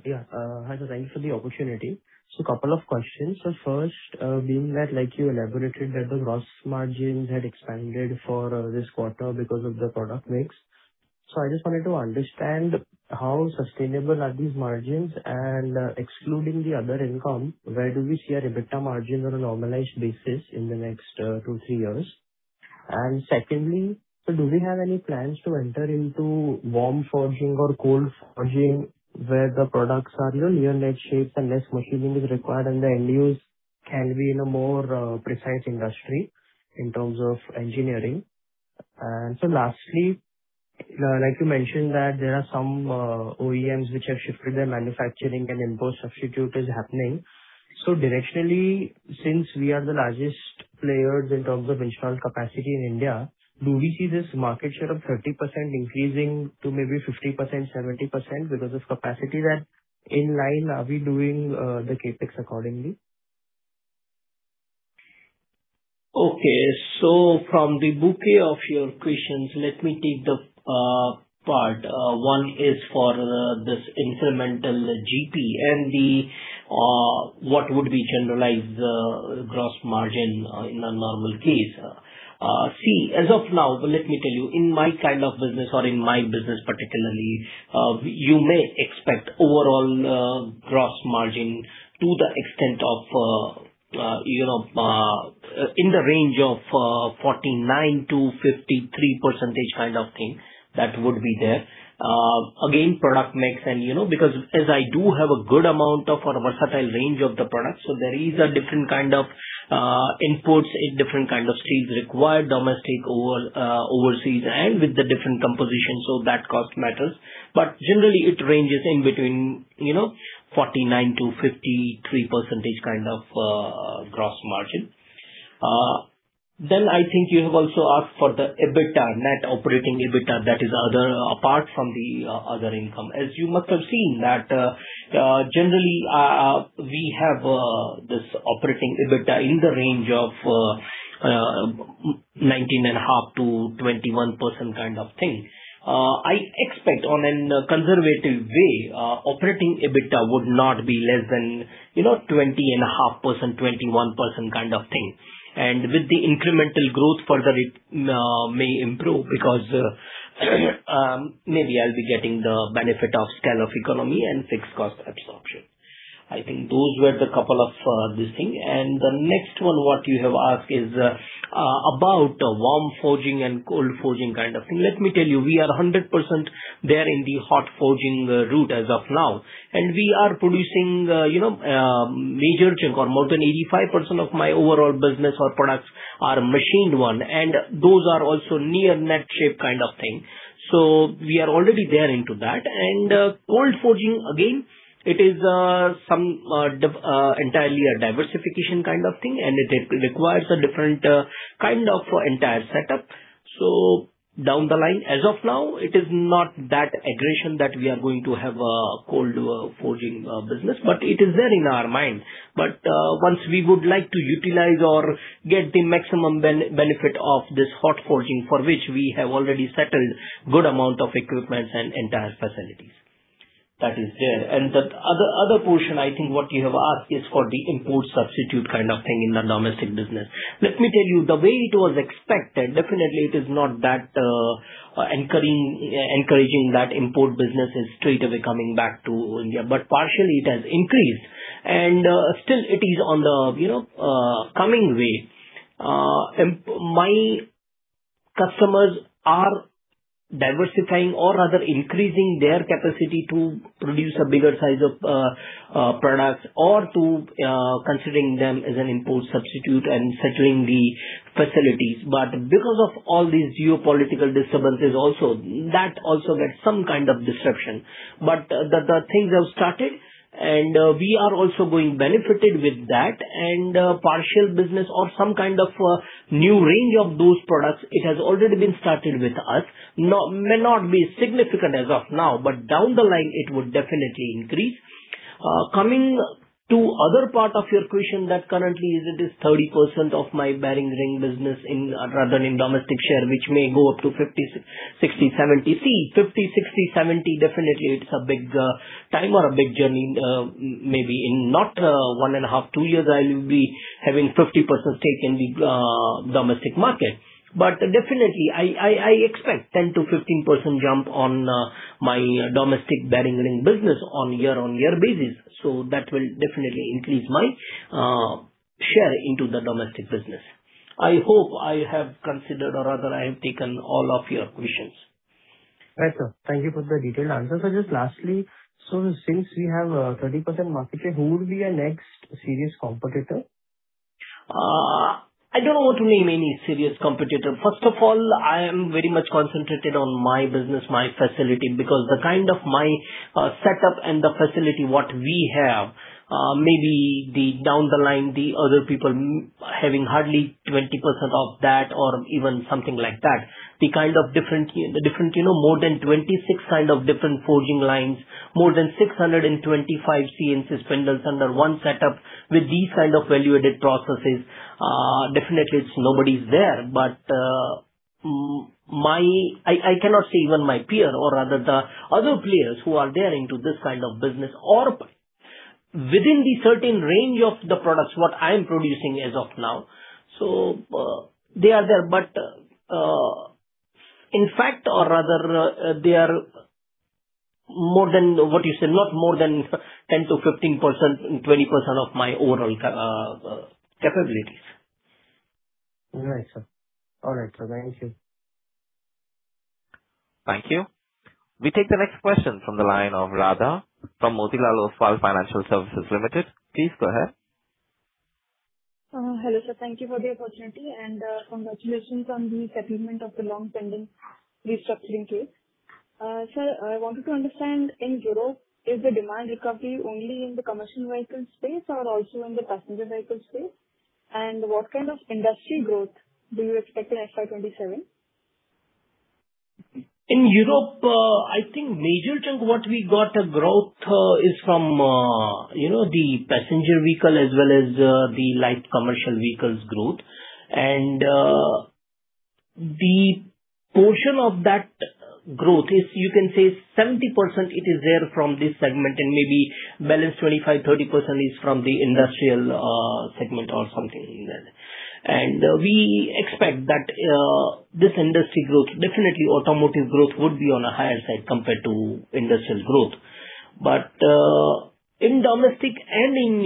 Yeah. Hi, sir. Thanks for the opportunity. Couple of questions. First, like you elaborated that the gross margins had expanded for this quarter because of the product mix. I just wanted to understand how sustainable are these margins and, excluding the other income, where do we see an EBITDA margin on a normalized basis in the next two, three years? Secondly, do we have any plans to enter into warm forging or cold forging where the products are, you know, near net shapes and less machining is required and the end use can be in a more precise industry in terms of engineering? Lastly, like you mentioned that there are some OEMs which have shifted their manufacturing and import substitute is happening. Directionally, since we are the largest players in terms of installed capacity in India, do we see this market share of 30% increasing to maybe 50%, 70% because of capacity that in line are we doing the CapEx accordingly? Okay. From the bouquet of your questions, let me take the part. One is for this incremental GP and the what would be generalized gross margin in a normal case. As of now, let me tell you, in my kind of business or in my business particularly, you may expect overall gross margin to the extent of, you know, in the range of 49%-53% kind of thing that would be there. Product mix and, you know, because as I do have a good amount of or a versatile range of the products, so there is a different kind of inputs in different kind of steels required, domestic or overseas and with the different composition, so that cost matters. Generally it ranges in between, you know, 49%-53% kind of gross margin. I think you have also asked for the EBITDA, net operating EBITDA, that is other apart from the other income. As you must have seen that, generally, we have this operating EBITDA in the range of 19.5%-21% kind of thing. I expect on an conservative way, operating EBITDA would not be less than, you know, 20.5%, 21% kind of thing. With the incremental growth further it may improve because maybe I'll be getting the benefit of scale of economy and fixed cost absorption. I think those were the couple of this thing. The next one what you have asked is about warm forging and cold forging kind of thing. Let me tell you, we are 100% there in the hot forging route as of now. We are producing, you know, major chunk or more than 85% of my overall business or products are machined one, and those are also near net shape kind of thing. We are already there into that. Cold forging, again, it is some entirely a diversification kind of thing, and it re-requires a different kind of entire setup. Down the line. As of now, it is not that aggression that we are going to have a cold forging business, but it is there in our mind. Once we would like to utilize or get the maximum benefit of this hot forging for which we have already settled good amount of equipments and entire facilities. That is there. The other portion I think what you have asked is for the import substitute kind of thing in the domestic business. Let me tell you, the way it was expected, definitely it is not that encouraging that import business is straightaway coming back to India, but partially it has increased. Still it is on the, you know, coming way. My customers are diversifying or rather increasing their capacity to produce a bigger size of products or to considering them as an import substitute and settling the facilities. Because of all these geopolitical disturbances also, that also gets some kind of disruption. The things have started and we are also going benefited with that and partial business or some kind of new range of those products, it has already been started with us. May not be significant as of now, but down the line it would definitely increase. Coming to other part of your question that currently is it is 30% of my bearing ring business in rather in domestic share, which may go up to 50%, 60%, 70%. See, 50%, 60%, 70%, definitely it's a big time or a big journey, maybe. In not one and a half, two years, I will be having 50% stake in the domestic market. Definitely I expect 10%-15% jump on my domestic bearing ring business on year-on-year basis. That will definitely increase my share into the domestic business. I hope I have considered or rather I have taken all of your questions. Right, sir. Thank you for the detailed answers. Just lastly, since we have 30% market share, who would be your next serious competitor? I don't want to name any serious competitor. First of all, I am very much concentrated on my business, my facility, because the kind of my setup and the facility what we have, maybe the down the line, the other people having hardly 20% of that or even something like that. The kind of different, you know, more than 26 kind of different forging lines, more than 625 CNC spindles under one setup with these kind of value-added processes, definitely it's nobody's there. My I cannot say even my peer or rather the other players who are there into this kind of business or within the certain range of the products what I'm producing as of now. They are there, but, in fact or rather, they are more than what you say, not more than 10%-15% and 20% of my overall CapEx capabilities. Right, sir. All right, sir. Thank you. Thank you. We take the next question from the line of Radha from Motilal Oswal Financial Services Limited. Please go ahead. Hello, sir. Thank you for the opportunity and congratulations on the settlement of the long-pending restructuring case. Sir, I wanted to understand in Europe, is the demand recovery only in the commercial vehicle space or also in the passenger vehicle space? What kind of industry growth do you expect in FY 2027? In Europe, I think major chunk what we got a growth is from the passenger vehicle as well as the light commercial vehicles growth. The portion of that growth is you can say 70% it is there from this segment and maybe balance 25%-30% is from the industrial segment or something in there. We expect that this industry growth, definitely automotive growth would be on a higher side compared to industrial growth. In domestic and in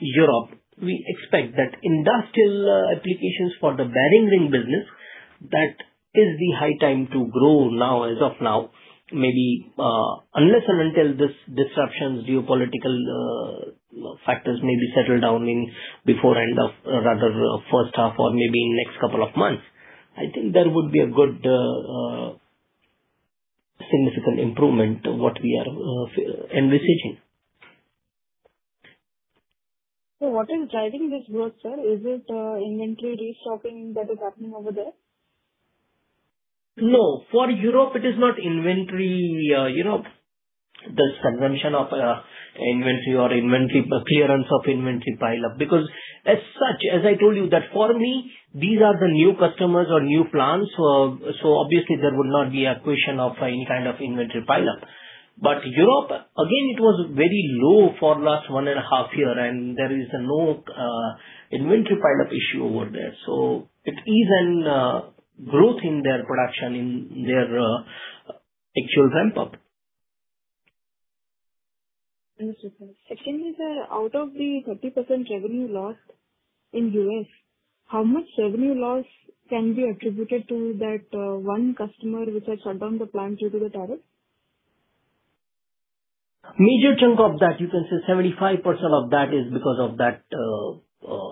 Europe, we expect that industrial applications for the bearing ring business, that is the high time to grow now, as of now. Maybe, unless and until this disruptions, geopolitical factors maybe settle down in before end of rather, 1st half or maybe in next couple of months. I think there would be a good significant improvement what we are envisaging. What is driving this growth, sir? Is it inventory restocking that is happening over there? No. For Europe it is not inventory, you know, the consumption of inventory or clearance of inventory pileup. As such, as I told you that for me, these are the new customers or new plants, so obviously there would not be a question of any kind of inventory pileup. Europe, again, it was very low for last one and a half year and there is no inventory pileup issue over there. It is an growth in their production, in their actual ramp-up. Understood, sir. Secondly, sir, out of the 30% revenue loss in U.S., how much revenue loss can be attributed to that one customer which has shut down the plant due to the tariff? Major chunk of that, you can say 75% of that is because of that,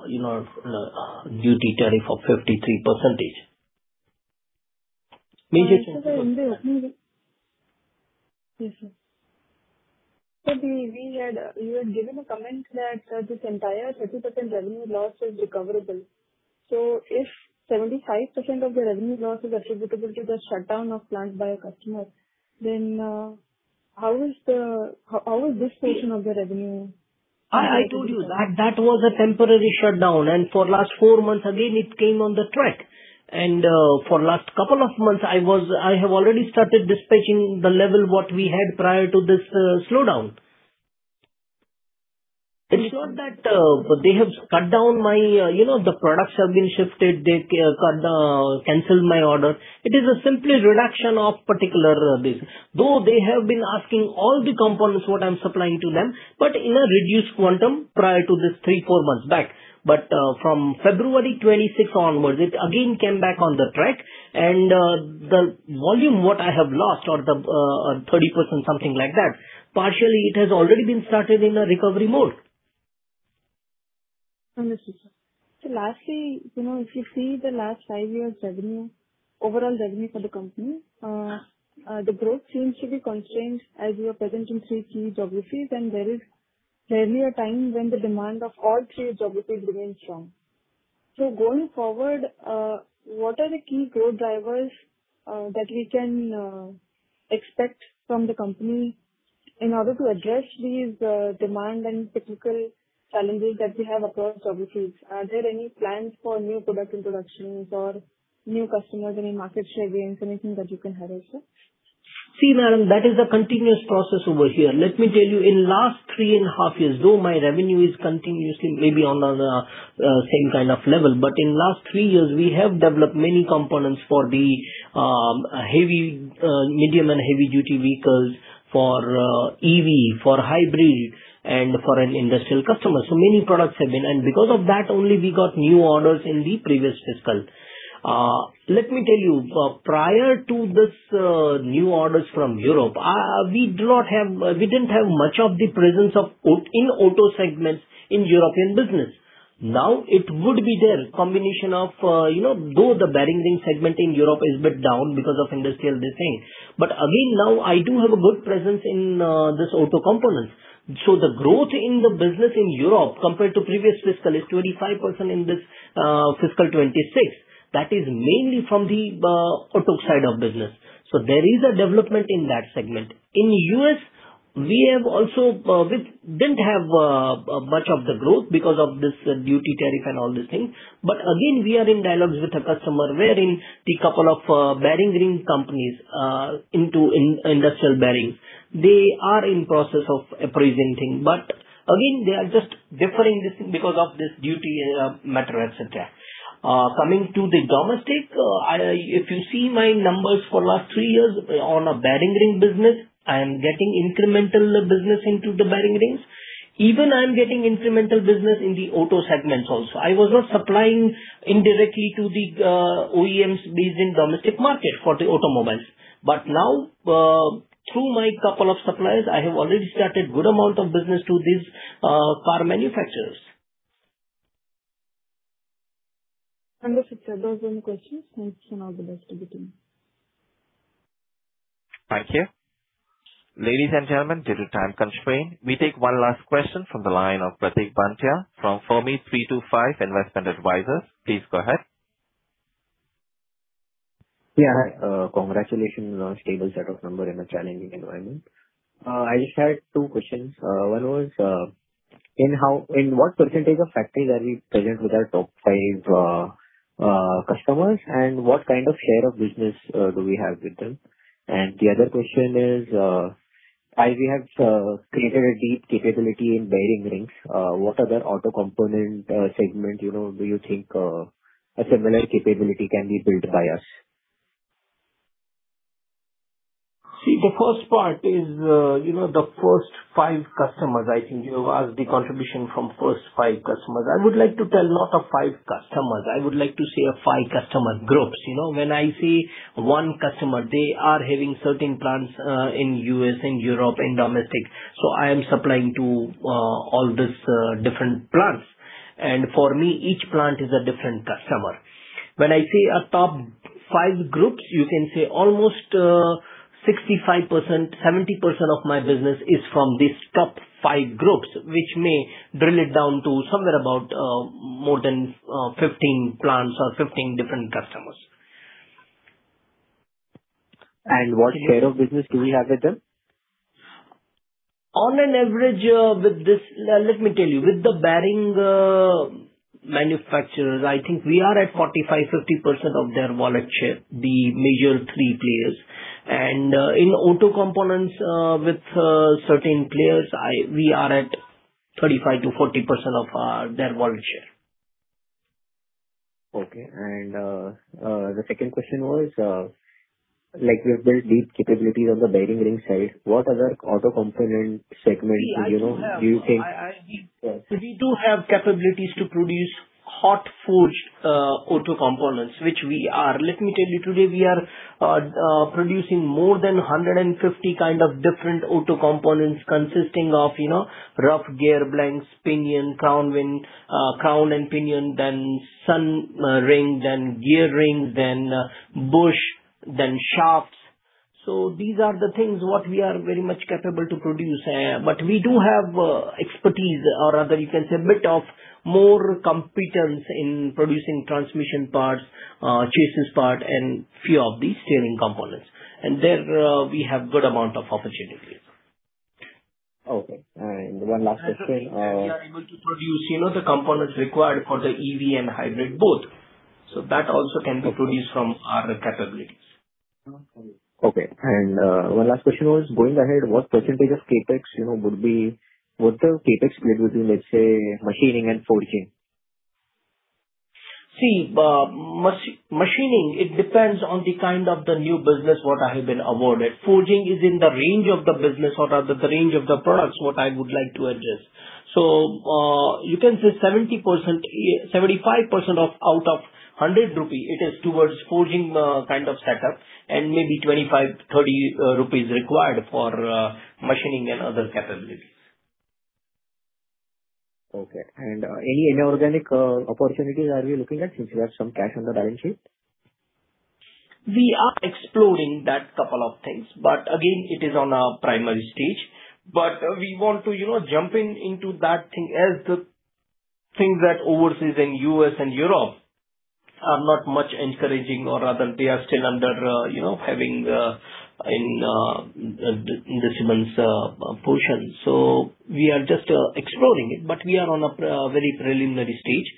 you know, duty tariff of 53%. sir, there, maybe Yes, sir. we had, you had given a comment that, this entire 30% revenue loss is recoverable. if 75% of the revenue loss is attributable to the shutdown of plant by a customer, then, how is this portion of the revenue recoverable? I told you that that was a temporary shutdown and for last four months again it came on the track. For last couple of months I have already started dispatching the level what we had prior to this slowdown. It's not that they have cut down my, you know, the products have been shifted, they canceled my order. It is a simply reduction of particular business. Though they have been asking all the components what I'm supplying to them, but in a reduced quantum prior to this three, four months back. From February 26 onwards, it again came back on the track and the volume what I have lost or the 30%, something like that, partially it has already been started in a recovery mode. Understood, sir. Lastly, you know, if you see the last five years revenue, overall revenue for the company, the growth seems to be constrained as you are present in three key geographies and there is rarely a time when the demand of all three geographies remains strong. Going forward, what are the key growth drivers that we can expect from the company in order to address these demand and cyclical challenges that we have across geographies? Are there any plans for new product introductions or new customers, any market share gains, anything that you can highlight, sir? See, Radha, that is a continuous process over here. Let me tell you, in last three and half years, though my revenue is continuously maybe on a same kind of level, but in last three years, we have developed many components for the heavy, medium and heavy duty vehicles for EV, for hybrid and for an industrial customer. Because of that only we got new orders in the previous fiscal. Let me tell you, prior to this, new orders from Europe, we didn't have much of the presence in auto segments in European business. Now it would be there. Combination of, you know, though the bearing ring segment in Europe is a bit down because of industrial this thing, again now I do have a good presence in this auto components. The growth in the business in Europe compared to previous fiscal is 25% in this FY 2026. That is mainly from the auto side of business. In U.S. we have also didn't have much of the growth because of this duty tariff and all these things. Again we are in dialogues with a customer wherein the couple of bearing ring companies into in-industrial bearings. They are in process of presenting. Again they are just deferring this because of this duty matter, et cetera. Coming to the domestic, if you see my numbers for last three years on a bearing ring business, I am getting incremental business into the bearing rings. Even I'm getting incremental business in the auto segments also. I was not supplying indirectly to the OEMs based in domestic market for the automobiles. Now, through my couple of suppliers, I have already started good amount of business to these car manufacturers. Understood, sir. Those were my questions and wish you and all the best to the team. Thank you. Ladies and gentlemen, due to time constraint, we take one last question from the line of Pratik Banthia from Fermi325 Investment Advisers. Please go ahead. Yeah. Hi. Congratulations on stable set of number in a challenging environment. I just had two questions. One was, in what percentage of factory are we present with our top five customers and what kind of share of business do we have with them? The other question is, as we have created a deep capability in bearing rings, what other auto component segment, you know, do you think a similar capability can be built by us? The first part is, you know, the first five customers, I think you have asked the contribution from first five customers. I would like to tell not of five customers, I would like to say a five customer groups. You know, when I say one customer, they are having certain plants in U.S. and Europe and domestic, I am supplying to all these different plants. For me, each plant is a different customer. When I say a top five groups, you can say almost 65%, 70% of my business is from these top five groups, which may drill it down to somewhere about more than 15 plants or 15 different customers. What share of business do we have with them? On an average, with this, let me tell you. With the bearing manufacturers, I think we are at 45%-50% of their wallet share, the major three players. In auto components, with certain players, we are at 35%-40% of their wallet share. Okay. The second question was, like we have built deep capabilities on the bearing ring side, what other auto component segment, you know, do you think? See. Yeah. We do have capabilities to produce hot forge auto components, which we are. Let me tell you, today we are producing more than 150 kind of different auto components consisting of, you know, rough gear blanks, pinion, crown wheel, crown and pinion, sun rings, gear rings, bush, shafts. These are the things what we are very much capable to produce. We do have expertise or rather you can say bit of more competence in producing transmission parts, chassis part and few of the steering components. There, we have good amount of opportunity. Okay. one last question. We are able to produce, you know, the components required for the EV and hybrid both. That also can be produced from our capabilities. Okay. One last question was, going ahead, what percentage of CapEx, you know, would be what the CapEx split between, let's say, machining and forging? See, machining, it depends on the kind of the new business what I have been awarded. Forging is in the range of the business or rather the range of the products what I would like to address. You can say 70%-75% of out of 100 rupee it is towards forging kind of setup and maybe 25-30 rupees required for machining and other capabilities. Okay. Any inorganic opportunities are we looking at since we have some cash on the balance sheet? We are exploring that couple of things, again it is on a primary stage. We want to, you know, jump into that thing as the things that overseas in U.S. and Europe are not much encouraging or rather they are still under, you know, having in the sentiments portion. We are just exploring it, but we are on a very preliminary stage.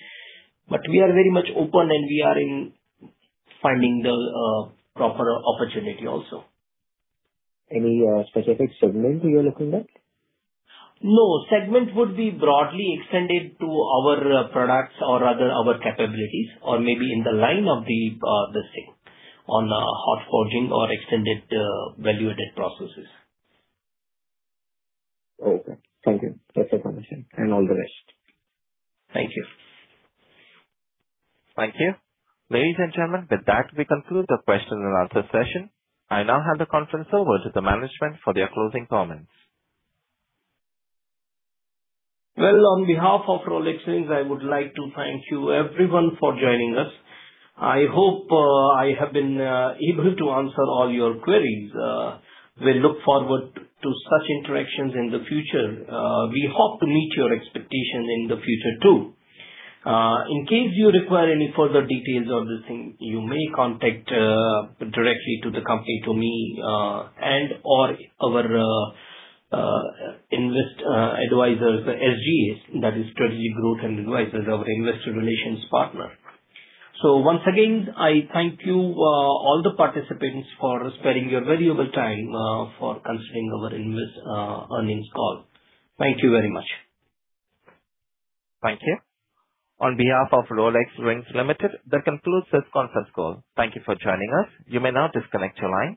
We are very much open and we are in finding the proper opportunity also. Any specific segment you are looking at? No. Segment would be broadly extended to our, products or rather our capabilities or maybe in the line of the thing on, hot forging or extended, value-added processes. Okay. Thank you. Best of luck and all the rest. Thank you. Thank you. Ladies and gentlemen, with that, we conclude the question and answer session. I now hand the conference over to the management for their closing comments. Well, on behalf of Rolex Rings, I would like to thank you everyone for joining us. I hope I have been able to answer all your queries. We look forward to such interactions in the future. We hope to meet your expectation in the future too. In case you require any further details of this thing, you may contact directly to the company, to me, and/or our advisors, the SGAs, that is Strategic Growth Advisors, our investor relations partner. Once again, I thank you all the participants for sparing your valuable time for considering our invest earnings call. Thank you very much. Thank you. On behalf of Rolex Rings Limited, that concludes this conference call. Thank you for joining us. You may now disconnect your line.